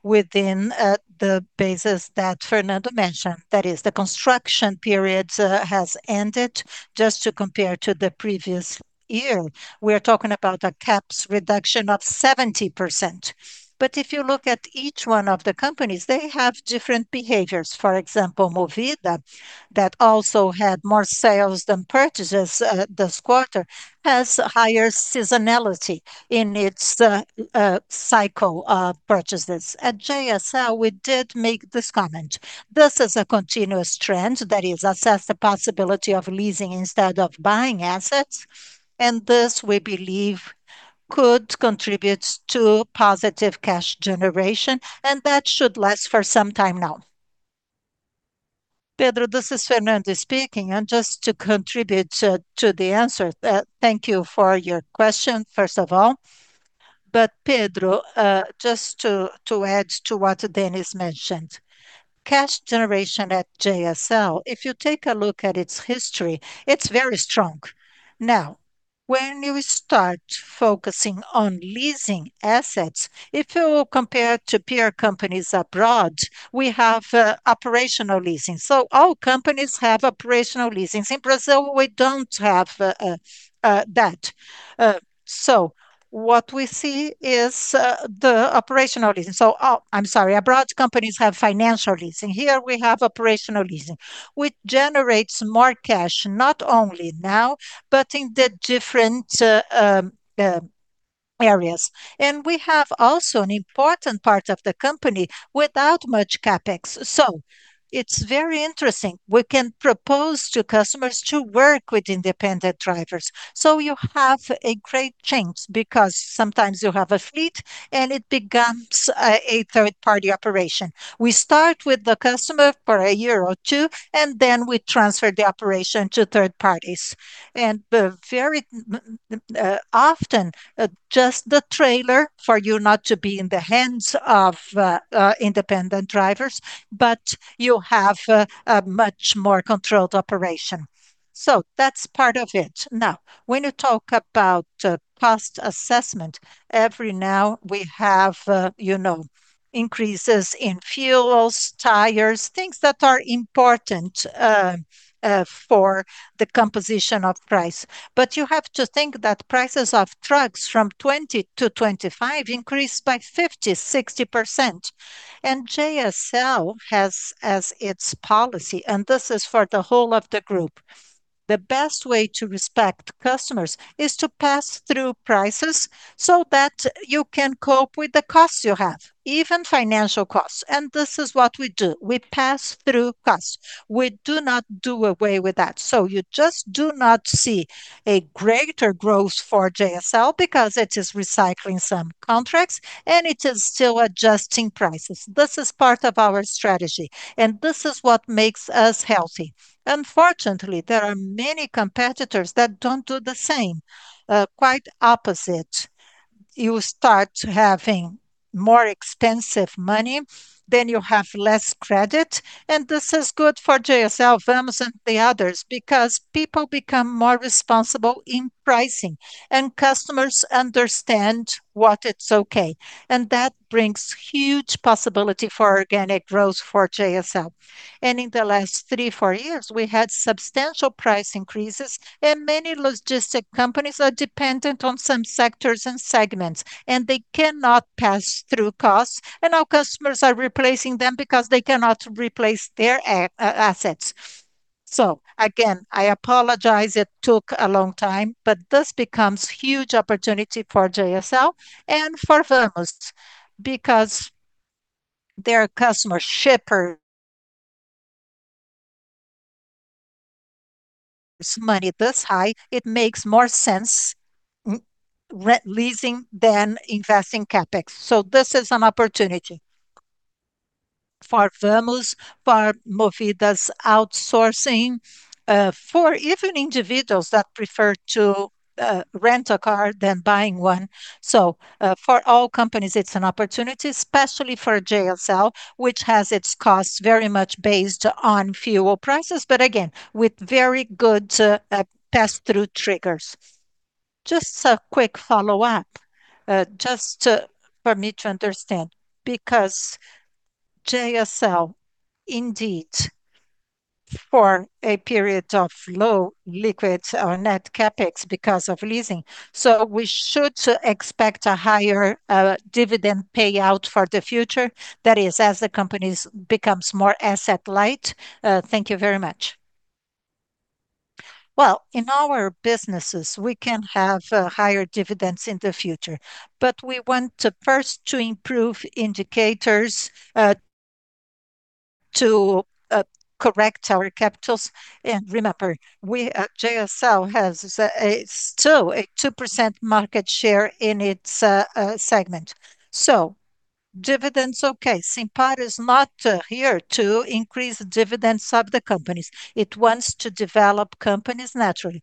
Within the basis that Fernando mentioned, that is the construction periods has ended. Just to compare to the previous year, we're talking about a CapEx reduction of 70%. If you look at each one of the companies, they have different behaviors. For example, Movida, that also had more sales than purchases this quarter, has higher seasonality in its cycle of purchases. At JSL, we did make this comment. This is a continuous trend that is assess the possibility of leasing instead of buying assets, and this, we believe, could contribute to positive cash generation, and that should last for some time now. Pedro, this is Fernando speaking, just to contribute to the answer. Thank you for your question, first of all. Pedro, just to add to what Denys mentioned, cash generation at JSL, if you take a look at its history, it's very strong. When you start focusing on leasing assets, if you compare to peer companies abroad, we have operational leasing. All companies have operational leasings. In Brazil, we don't have that. What we see is the operational leasing. Oh, I'm sorry. Abroad companies have financial leasing. Here we have operational leasing, which generates more cash, not only now, but in the different areas. We have also an important part of the company without much CapEx. It's very interesting. We can propose to customers to work with independent drivers. You have a great chance because sometimes you have a fleet, and it becomes a third-party operation. We start with the customer for a year or two, and then we transfer the operation to third parties. Very often, just the trailer for you not to be in the hands of independent drivers, but you have a much more controlled operation. That's part of it. Now, when you talk about cost assessment, every now we have, you know, increases in fuels, tires, things that are important for the composition of price. You have to think that prices of trucks from 2020 to 2025 increased by 50%-60%. JSL has as its policy, and this is for the whole of the group, the best way to respect customers is to pass through prices so that you can cope with the costs you have, even financial costs. This is what we do. We pass through costs. We do not do away with that. You just do not see a greater growth for JSL because it is recycling some contracts, and it is still adjusting prices. This is part of our strategy, and this is what makes us healthy. Unfortunately, there are many competitors that don't do the same. Quite opposite. You start having more expensive money, then you have less credit, and this is good for JSL, Vamos and the others because people become more responsible in pricing, and customers understand what it's okay, and that brings huge possibility for organic growth for JSL. In the last three, four years, we had substantial price increases, and many logistic companies are dependent on some sectors and segments, and they cannot pass through costs, and our customers are replacing them because they cannot replace their assets. Again, I apologize it took a long time, but this becomes huge opportunity for JSL and for Vamos because their customer shipper money this high, it makes more sense leasing than investing CapEx. This is an opportunity for Vamos, for Movida's outsourcing, for even individuals that prefer to rent a car than buying one. For all companies, it's an opportunity, especially for JSL, which has its costs very much based on fuel prices, but again, with very good pass-through triggers. Just a quick follow-up, just to, for me to understand. Because JSL indeed form a period of low liquids or net CapEx because of leasing, so we should expect a higher dividend payout for the future, that is, as the companies becomes more asset light? Thank you very much. Well, in our businesses, we can have higher dividends in the future, but we want to first to improve indicators, to correct our capitals. Remember, we at JSL has a still a 2% market share in its segment. Dividend's okay. SIMPAR is not here to increase dividends of the companies. It wants to develop companies naturally.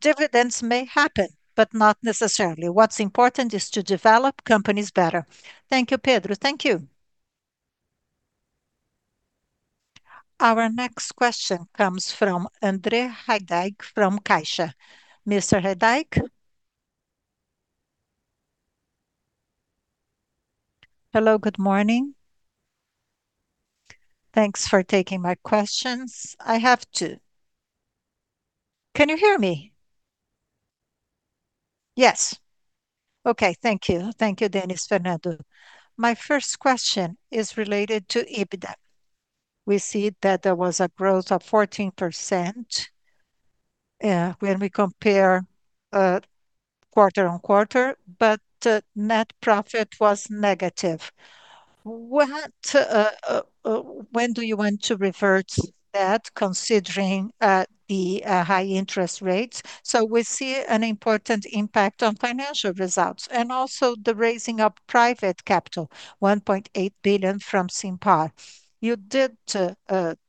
Dividends may happen, but not necessarily. What's important is to develop companies better. Thank you, Pedro. Thank you. Our next question comes from Andrea Heydy from Caixa. Mr. Heydy? Hello, good morning. Thanks for taking my questions. I have two. Can you hear me? Yes. Okay. Thank you. Thank you, Denys, Fernando. My first question is related to EBITDA. We see that there was a growth of 14% when we compare quarter on quarter, but net profit was negative. When do you want to revert that considering the high interest rates? We see an important impact on financial results, and also the raising of private capital, 1.8 billion from SIMPAR. You did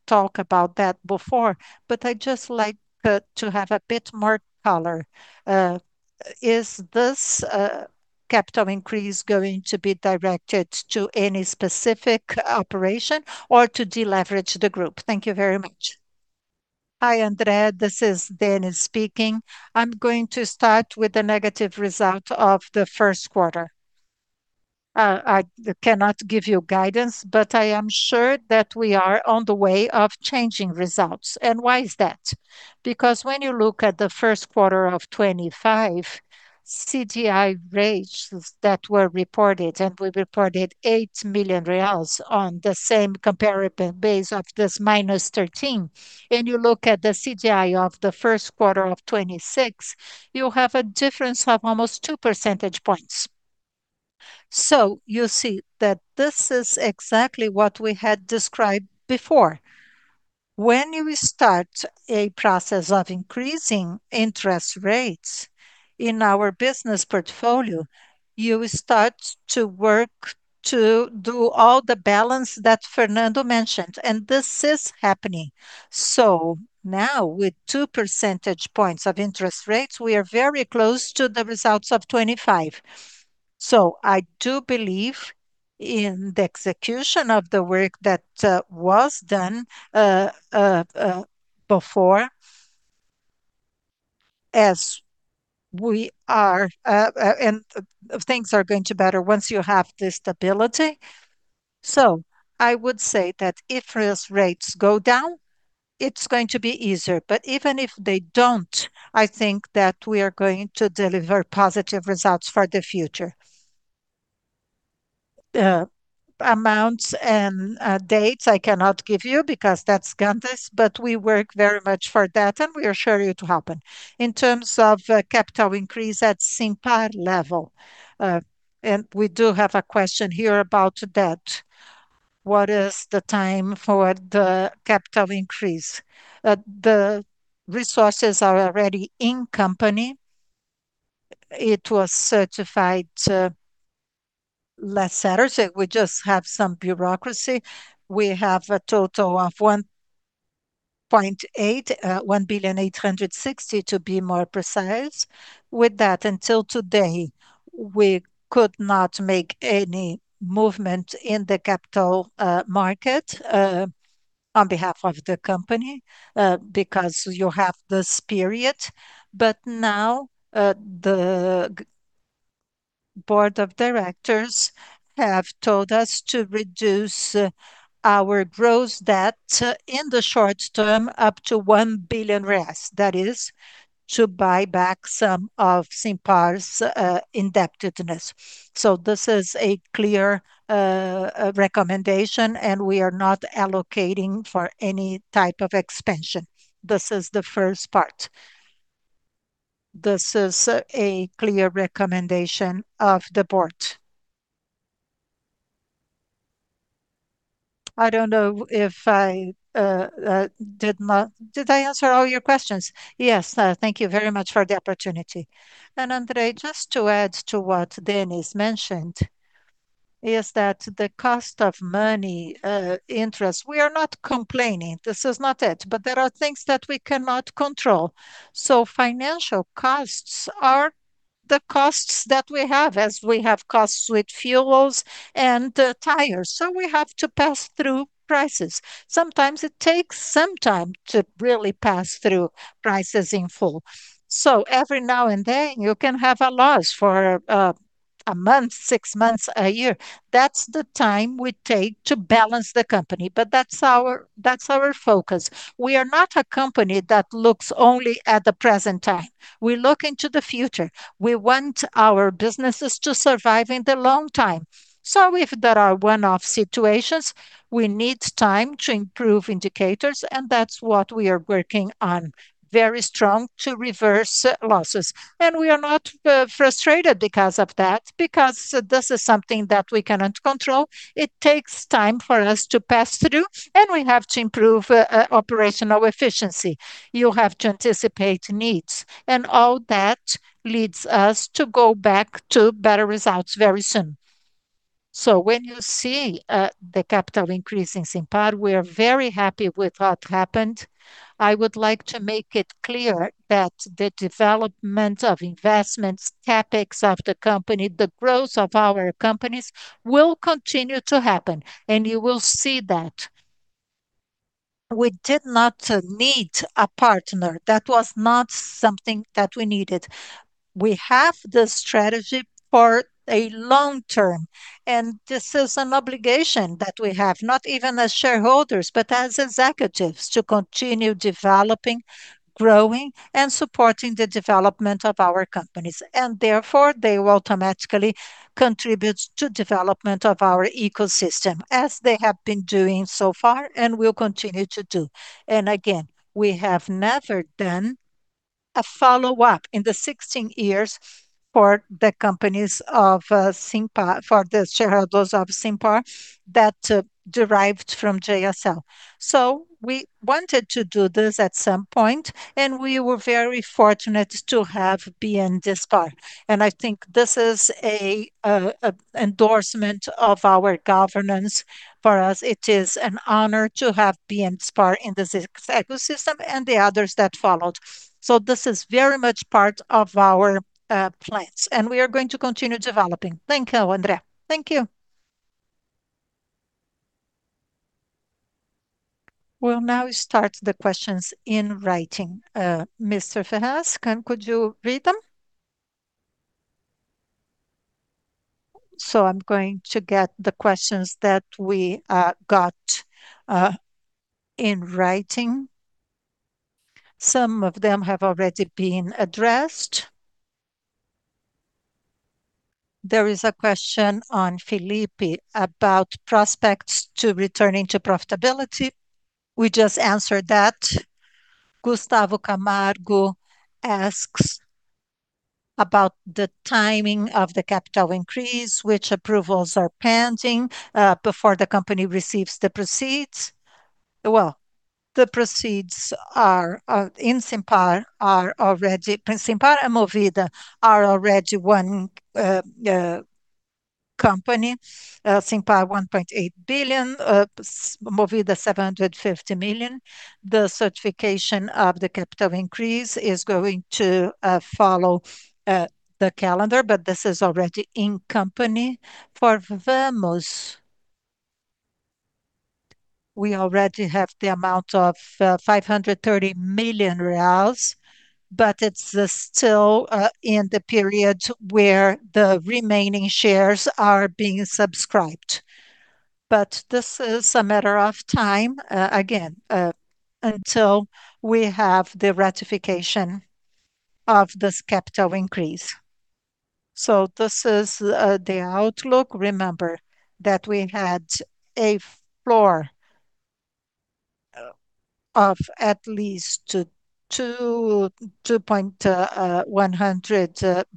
talk about that before, but I'd just like to have a bit more color. Is this capital increase going to be directed to any specific operation or to deleverage the group? Thank you very much. Hi, Andrea. This is Denys speaking. I'm going to start with the negative result of the first quarter. I cannot give you guidance, but I am sure that we are on the way of changing results. Why is that? Because when you look at the first quarter of 2025, CDI rates that were reported, and we reported 8 million reais on the same comparable base of this -13, and you look at the CDI of the first quarter of 2026, you have a difference of almost 2 percentage points. You see that this is exactly what we had described before. When you start a process of increasing interest rates in our business portfolio, you start to work to do all the balance that Fernando mentioned, and this is happening. Now with 2 percentage points of interest rates, we are very close to the results of 2025. I do believe in the execution of the work that was done before, as we are and things are going to be better once you have the stability. I would say that if rates go down, it's going to be easier, but even if they don't, I think that we are going to deliver positive results for the future. Amounts and dates I cannot give you because that's guidance, but we work very much for that, and we assure you it will happen. In terms of a capital increase at SIMPAR level, and we do have a question here about that. What is the time for the capital increase? The resources are already in company. It was certified last Saturday. We just have some bureaucracy. We have a total of 1.86 billion, to be more precise. Until today, we could not make any movement in the capital market on behalf of the company because you have this period. Now, the board of directors have told us to reduce our gross debt in the short term up to 1 billion. That is to buy back some of SIMPAR's indebtedness. This is a clear recommendation. We are not allocating for any type of expansion. This is the first part. This is a clear recommendation of the board. I don't know if I did I answer all your questions? Yes. Thank you very much for the opportunity. Andrea, just to add to what Denys mentioned, is that the cost of money, interest, we are not complaining. This is not it. There are things that we cannot control. Financial costs are the costs that we have, as we have costs with fuels and tires. We have to pass through prices. Sometimes it takes some time to really pass through prices in full. Every now and then, you can have a loss for one month, six months, one year. That's the time we take to balance the company. That's our, that's our focus. We are not a company that looks only at the present time. We look into the future. We want our businesses to survive in the long time. If there are one-off situations, we need time to improve indicators, and that's what we are working on very strong to reverse losses. We are not frustrated because of that, because this is something that we cannot control. It takes time for us to pass through, and we have to improve operational efficiency. You have to anticipate needs. All that leads us to go back to better results very soon. When you see the capital increase in SIMPAR, we are very happy with what happened. I would like to make it clear that the development of investments, CapEx of the company, the growth of our companies will continue to happen, and you will see that. We did not need a partner. That was not something that we needed. We have the strategy for a long term. This is an obligation that we have, not even as shareholders, but as executives to continue developing, growing, and supporting the development of our companies. Therefore, they will automatically contribute to development of our ecosystem as they have been doing so far and will continue to do. Again, we have never done a follow-up in the 16 years for the companies of SIMPAR, for the shareholders of SIMPAR that derived from JSL. We wanted to do this at some point, and we were very fortunate to have BNDESPAR. I think this is a endorsement of our governance. For us, it is an honor to have BNDESPAR in this ecosystem and the others that followed. This is very much part of our plans, and we are going to continue developing. Thank you, Andrea. Thank you. We'll now start the questions in writing. Mr. Ferrez, could you read them? I'm going to get the questions that we got in writing. Some of them have already been addressed. There is a question on Felipe about prospects to returning to profitability. We just answered that. Gustavo Camargo asks about the timing of the capital increase, which approvals are pending before the company receives the proceeds. Well, the proceeds are in SIMPAR are already SIMPAR and Movida are already one company. Simpar 1.8 billion, Movida 750 million. The certification of the capital increase is going to follow the calendar, but this is already in company. For Vamos, we already have the amount of 530 million reais, it's still in the period where the remaining shares are being subscribed. This is a matter of time again until we have the ratification of this capital increase. This is the outlook. Remember that we had a floor of at least 2.1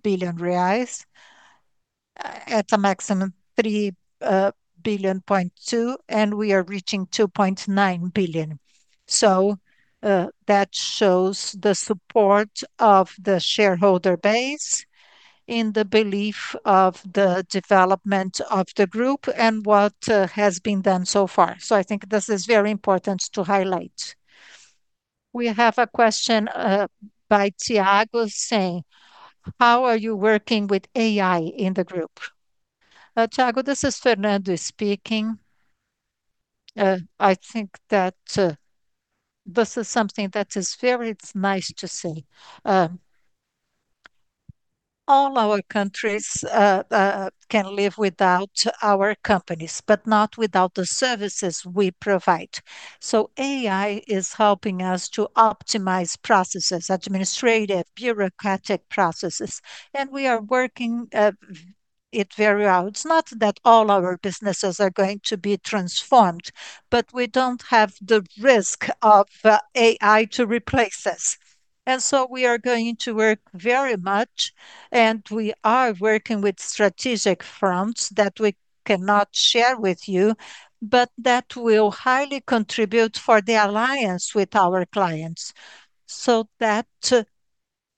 billion reais, at a maximum 3.2 billion, and we are reaching 2.9 billion. That shows the support of the shareholder base in the belief of the development of the group and what has been done so far. I think this is very important to highlight. We have a question by Thiago saying, "How are you working with AI in the group?" Thiago, this is Fernando speaking. I think that this is something that is very nice to see. All our countries can live without our companies, but not without the services we provide. AI is helping us to optimize processes, administrative, bureaucratic processes, and we are working it very well. It's not that all our businesses are going to be transformed, but we don't have the risk of AI to replace us. We are going to work very much, and we are working with strategic fronts that we cannot share with you, but that will highly contribute for the alliance with our clients.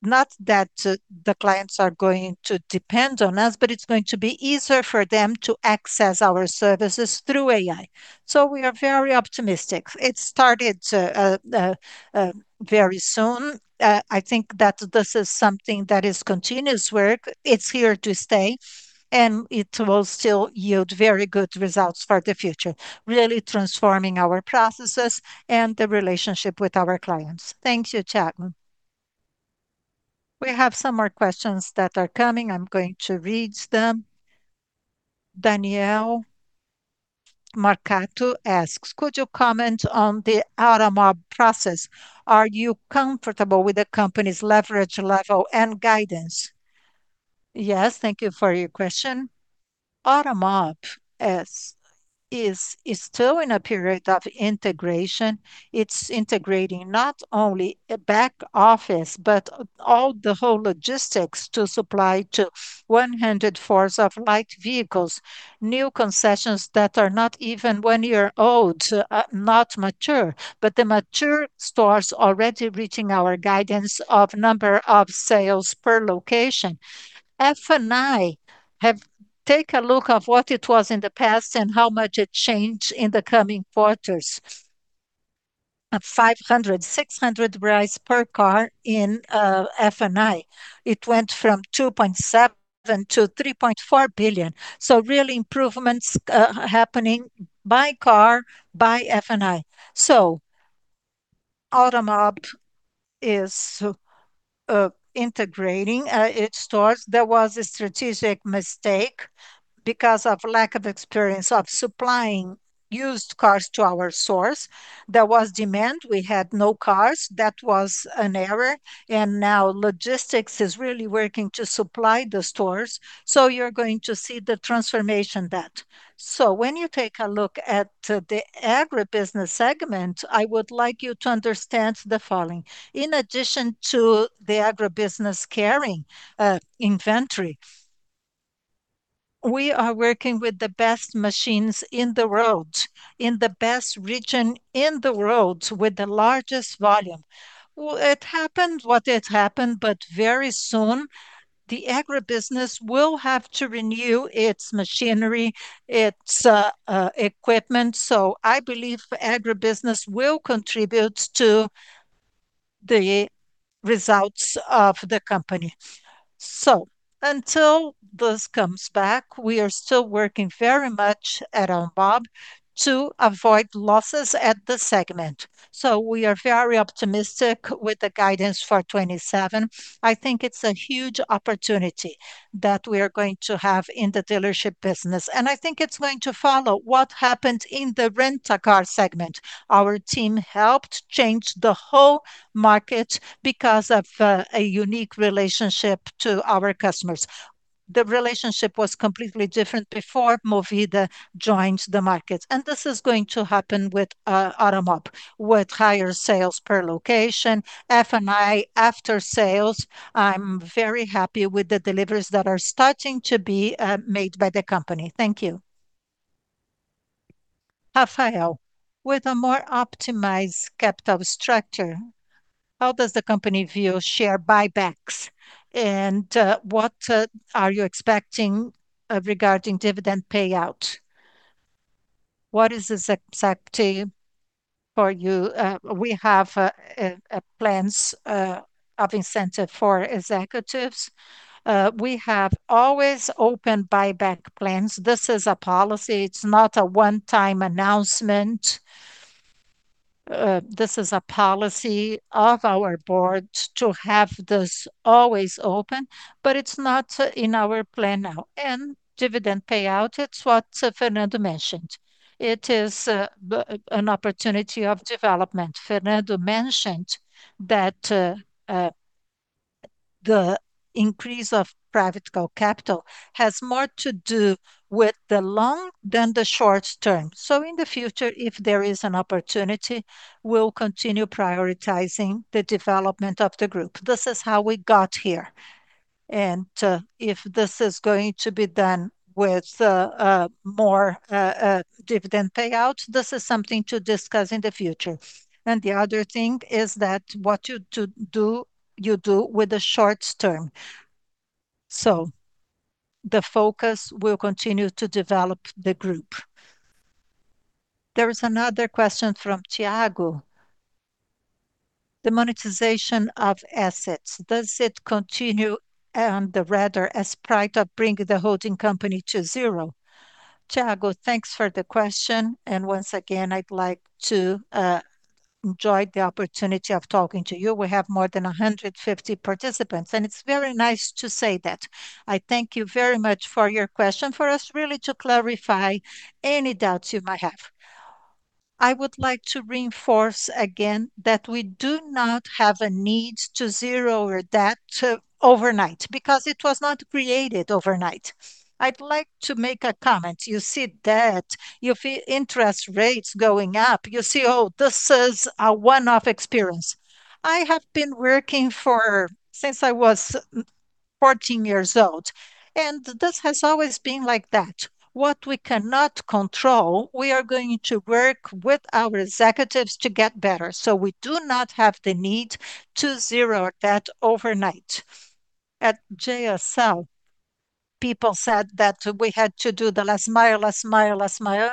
Not that the clients are going to depend on us, but it's going to be easier for them to access our services through AI. We are very optimistic. It started very soon. I think that this is something that is continuous work. It's here to stay, it will still yield very good results for the future, really transforming our processes and the relationship with our clients. Thank you, Thiago. We have some more questions that are coming. I'm going to read them. Daniel Marcato asks, "Could you comment on the Automob process? Are you comfortable with the company's leverage level and guidance?" Yes. Thank you for your question. Automob is still in a period of integration. It's integrating not only a back office, but all the whole logistics to supply to 100 floors of light vehicles. New concessions that are not even one year old, not mature, but the mature stores already reaching our guidance of number of sales per location. F&I have take a look of what it was in the past and how much it changed in the coming quarters. At 500, 600 per car in F&I. It went from 2.7 billion-3.4 billion. Real improvements happening by car, by F&I. Automob is integrating its stores. There was a strategic mistake because of lack of experience of supplying used cars to our stores. There was demand, we had no cars. That was an error, and now logistics is really working to supply the stores. You're going to see the transformation there. When you take a look at the agribusiness segment, I would like you to understand the following. In addition to the agribusiness carrying inventory, we are working with the best machines in the world, in the best region in the world with the largest volume. Well, it happened what it happened, very soon the agribusiness will have to renew its machinery, its equipment. I believe agribusiness will contribute to the results of the company. Until this comes back, we are still working very much at Automob to avoid losses at the segment. We are very optimistic with the guidance for 2027. I think it's a huge opportunity that we are going to have in the dealership business, and I think it's going to follow what happened in the Rent-a-Car segment. Our team helped change the whole market because of a unique relationship to our customers. The relationship was completely different before Movida joined the market, and this is going to happen with Automob, with higher sales per location. F&I after sales, I'm very happy with the deliveries that are starting to be made by the company. Thank you. Rafael, with a more optimized capital structure, how does the company view share buybacks, and what are you expecting regarding dividend payout? What is this exactly for you? We have plans of incentive for executives. We have always open buyback plans. This is a policy. It is not a one-time announcement. This is a policy of our board to have this always open, it is not in our plan now. Dividend payout, it is what Fernando mentioned. It is an opportunity of development. Fernando mentioned that the increase of private capital has more to do with the long than the short term. In the future, if there is an opportunity, we will continue prioritizing the development of the group. This is how we got here, and if this is going to be done with more dividend payout, this is something to discuss in the future. The other thing is that what you do, you do with the short term. The focus will continue to develop the group. There is another question from Thiago. The monetization of assets, does it continue on the radar as part of bringing the holding company to zero? Thiago, thanks for the question. Once again, I'd like to enjoy the opportunity of talking to you. We have more than 150 participants, and it's very nice to say that. I thank you very much for your question, for us really to clarify any doubts you might have. I would like to reinforce again that we do not have a need to zero our debt overnight, because it was not created overnight. I'd like to make a comment. You see debt, you feel interest rates going up. You say, "Oh, this is a one-off experience." I have been working for since I was 14 years old, and this has always been like that. What we cannot control, we are going to work with our executives to get better. We do not have the need to zero that overnight. At JSL, people said that we had to do the last mile,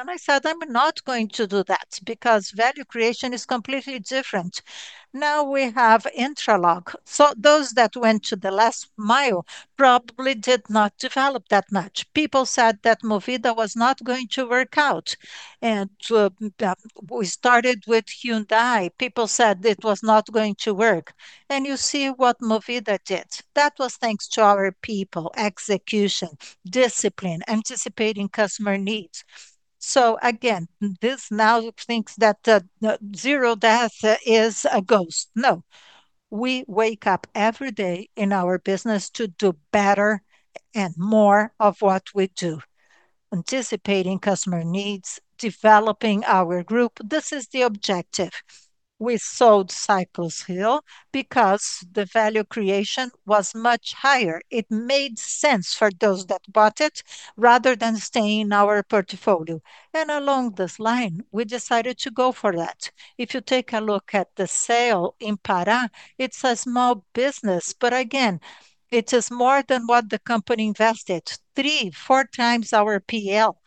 I said, "I'm not going to do that," because value creation is completely different. Now we have Intralog. Those that went to the last mile probably did not develop that much. People said that Movida was not going to work out, and we started with Hyundai. People said it was not going to work. You see what Movida did. That was thanks to our people, execution, discipline, anticipating customer needs. Again, this now thinks that zero debt is a ghost. No. We wake up every day in our business to do better and more of what we do. Anticipating customer needs, developing our group, this is the objective. We sold Ciclus here because the value creation was much higher. It made sense for those that bought it, rather than staying in our portfolio. Along this line, we decided to go for that. If you take a look at the sale in Pará, it's a small business. Again, it is more than what the company invested, three, four times our PL.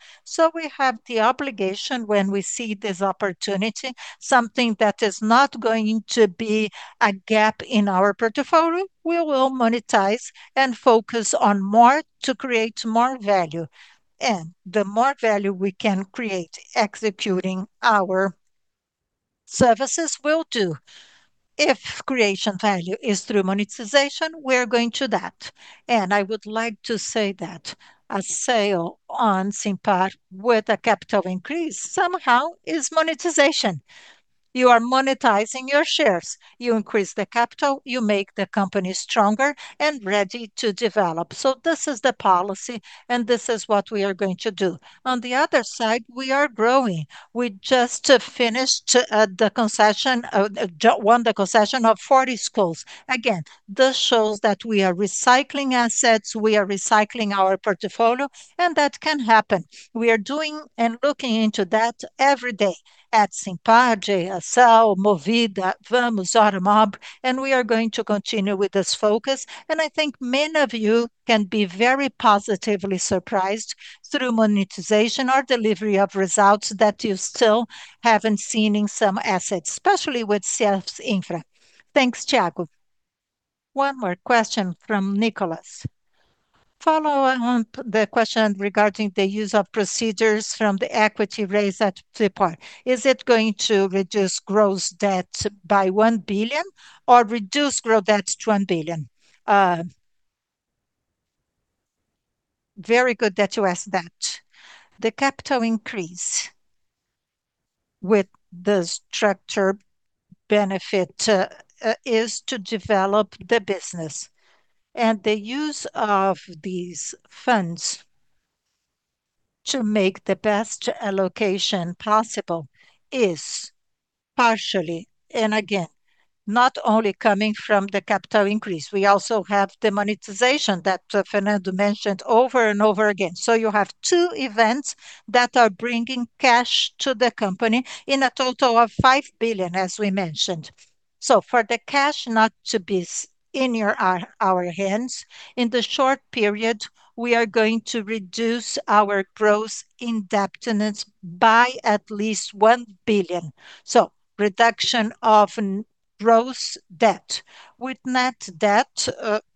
We have the obligation when we see this opportunity, something that is not going to be a gap in our portfolio, we will monetize and focus on more to create more value. The more value we can create executing our services will do. If creation value is through monetization, we're going to that. I would like to say that a sale on SIMPAR with a capital increase somehow is monetization. You are monetizing your shares. You increase the capital, you make the company stronger and ready to develop. This is the policy, and this is what we are going to do. On the other side, we are growing. We just have finished the concession won the concession of 40 schools. Again, this shows that we are recycling assets, we are recycling our portfolio, and that can happen. We are doing and looking into that every day at SIMPAR, JSL, Movida, Vamos, Automob, we are going to continue with this focus. I think many of you can be very positively surprised through monetization or delivery of results that you still haven't seen in some assets, especially with CS Infra. Thanks, Thiago. One more question from Nicholas. Follow on the question regarding the use of procedures from the equity raise at SIMPAR. Is it going to reduce gross debt by 1 billion, or reduce gross debt to 1 billion? Very good that you ask that. The capital increase with the structure benefit is to develop the business. The use of these funds to make the best allocation possible is partially, and again, not only coming from the capital increase, we also have the monetization that Fernando mentioned over and over again. You have two events that are bringing cash to the company in a total of 5 billion, as we mentioned. For the cash not to be in our hands, in the short period, we are going to reduce our gross indebtedness by at least 1 billion. Reduction of gross debt. With net debt,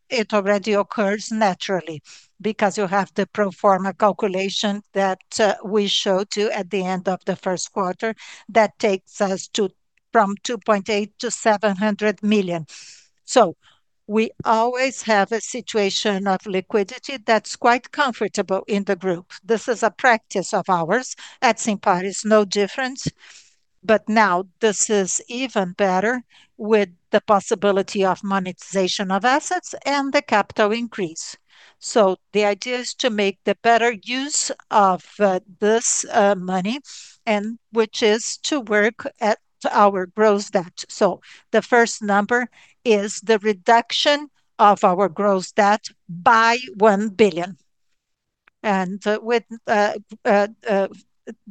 it already occurs naturally because you have the pro forma calculation that we showed you at the end of the first quarter that takes us to, from 2.8 billion to 700 million. We always have a situation of liquidity that's quite comfortable in the group. This is a practice of ours. At SIMPAR it's no different. Now this is even better with the possibility of monetization of assets and the capital increase. The idea is to make the better use of this money, which is to work at our gross debt. The first number is the reduction of our gross debt by 1 billion. With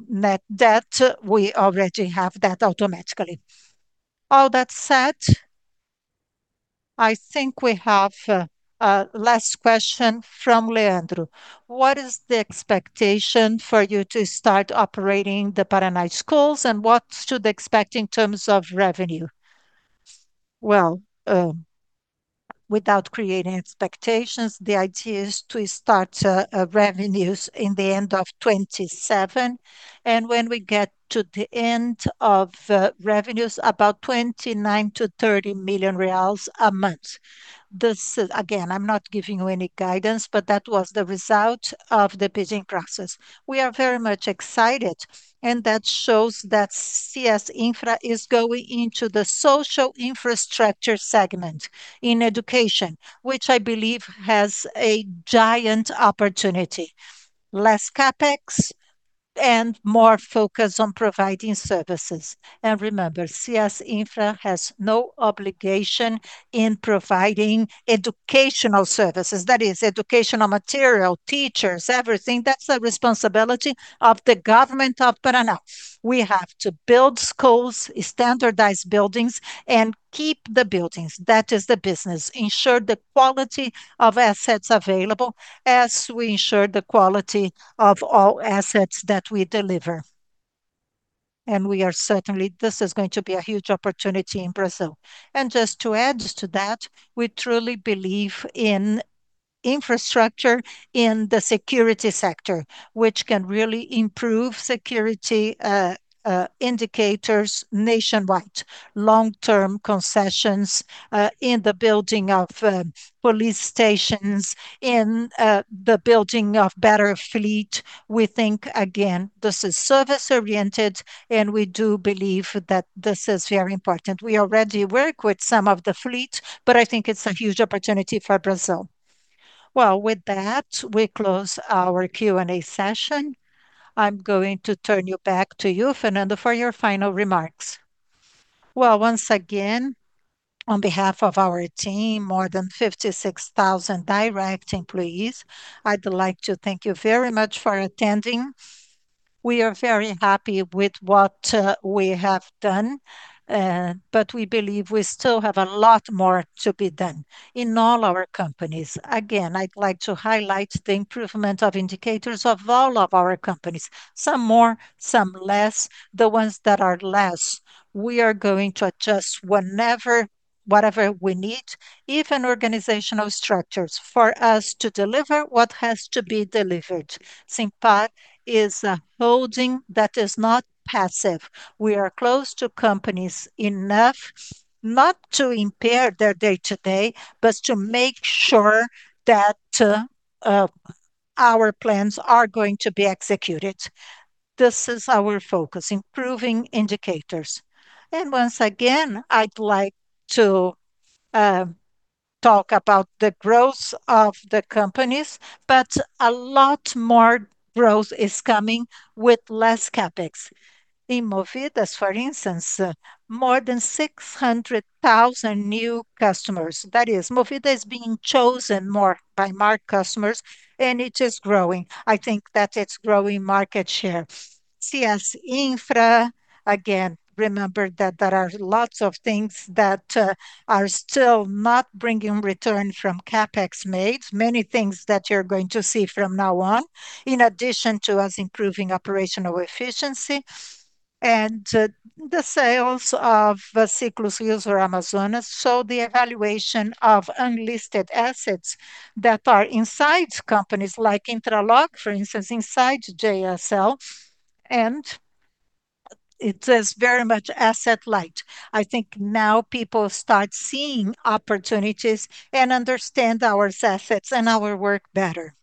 net debt, we already have that automatically. All that said, I think we have a last question from Leandro. What is the expectation for you to start operating the Paraná schools, and what should expect in terms of revenue? Without creating expectations, the idea is to start revenues in the end of 2027, when we get to the end of revenues, about 29 million-30 million reais a month. This, again, I'm not giving you any guidance, that was the result of the bidding process. We are very much excited. That shows that CS Infra is going into the social infrastructure segment in education, which I believe has a giant opportunity. Less CapEx and more focus on providing services. Remember, CS Infra has no obligation in providing educational services. That is educational material, teachers, everything. That's the responsibility of the government of Paraná. We have to build schools, standardize buildings, and keep the buildings. That is the business. Ensure the quality of assets available as we ensure the quality of all assets that we deliver. This is going to be a huge opportunity in Brazil. Just to add to that, we truly believe in infrastructure in the security sector, which can really improve security indicators nationwide. Long-term concessions, in the building of police stations, in the building of better fleet. We think, again, this is service-oriented, and we do believe that this is very important. We already work with some of the fleet, but I think it's a huge opportunity for Brazil. Well, with that, we close our Q&A session. I'm going to turn you back to you, Fernando, for your final remarks. Well, once again, on behalf of our team, more than 56,000 direct employees, I'd like to thank you very much for attending. We are very happy with what we have done. We believe we still have a lot more to be done in all our companies. Again, I'd like to highlight the improvement of indicators of all of our companies. Some more, some less. The ones that are less, we are going to adjust whatever we need, even organizational structures for us to deliver what has to be delivered. SIMPAR is a holding that is not passive. We are close to companies enough not to impair their day-to-day, but to make sure that our plans are going to be executed. This is our focus, improving indicators. Once again, I'd like to talk about the growth of the companies, but a lot more growth is coming with less CapEx. In Movida, for instance, more than 600,000 new customers. That is Movida being chosen more by more customers, and it is growing. I think that it's growing market share. CS Infra, again, remember that there are lots of things that are still not bringing return from CapEx made. Many things that you're going to see from now on, in addition to us improving operational efficiency. The sales of the Ciclus Amazônia show the evaluation of unlisted assets that are inside companies like Intralog, for instance, inside JSL, and it is very much asset light. I think now people start seeing opportunities and understand our assets and our work better.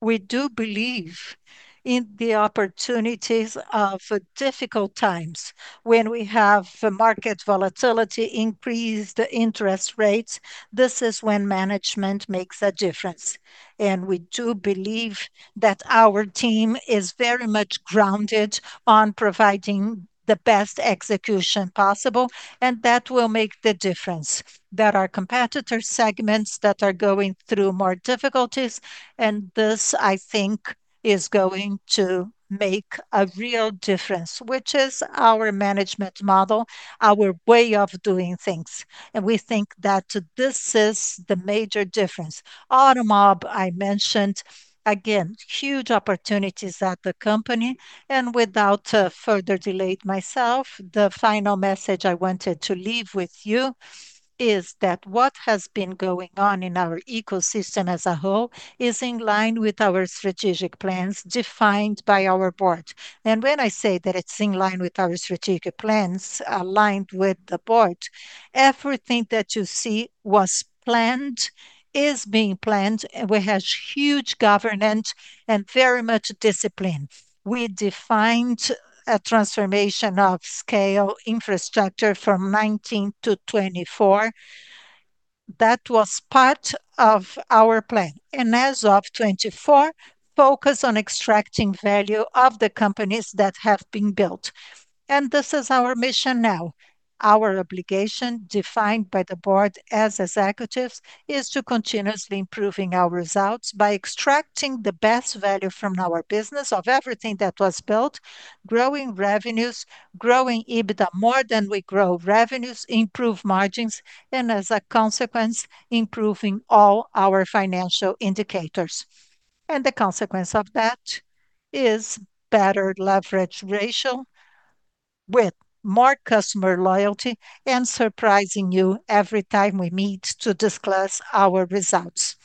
We do believe in the opportunities of difficult times. When we have market volatility increase the interest rates, this is when management makes a difference. We do believe that our team is very much grounded on providing the best execution possible, and that will make the difference. There are competitor segments that are going through more difficulties, and this, I think, is going to make a real difference, which is our management model, our way of doing things. We think that this is the major difference. Automob, I mentioned. Again, huge opportunities at the company. Without further delay to myself, the final message I wanted to leave with you is that what has been going on in our ecosystem as a whole is in line with our strategic plans defined by our board. When I say that it's in line with our strategic plans aligned with the board, everything that you see was planned, is being planned, and we have huge governance and very much discipline. We defined a transformation of scale infrastructure from 2019 to 2024. That was part of our plan. As of 2024, focus on extracting value of the companies that have been built. This is our mission now. Our obligation defined by the board as executives is to continuously improving our results by extracting the best value from our business of everything that was built, growing revenues, growing EBITDA more than we grow revenues, improve margins, and as a consequence, improving all our financial indicators. The consequence of that is better leverage ratio with more customer loyalty and surprising you every time we meet to discuss our results.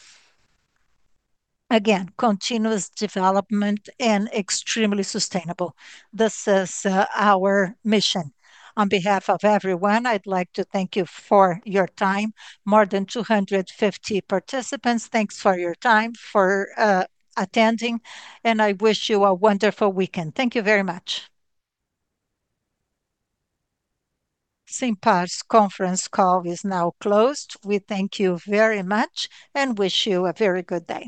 Again, continuous development and extremely sustainable. This is our mission. On behalf of everyone, I'd like to thank you for your time. More than 250 participants, thanks for your time, for attending, and I wish you a wonderful weekend. Thank you very much. SIMPAR's conference call is now closed. We thank you very much and wish you a very good day.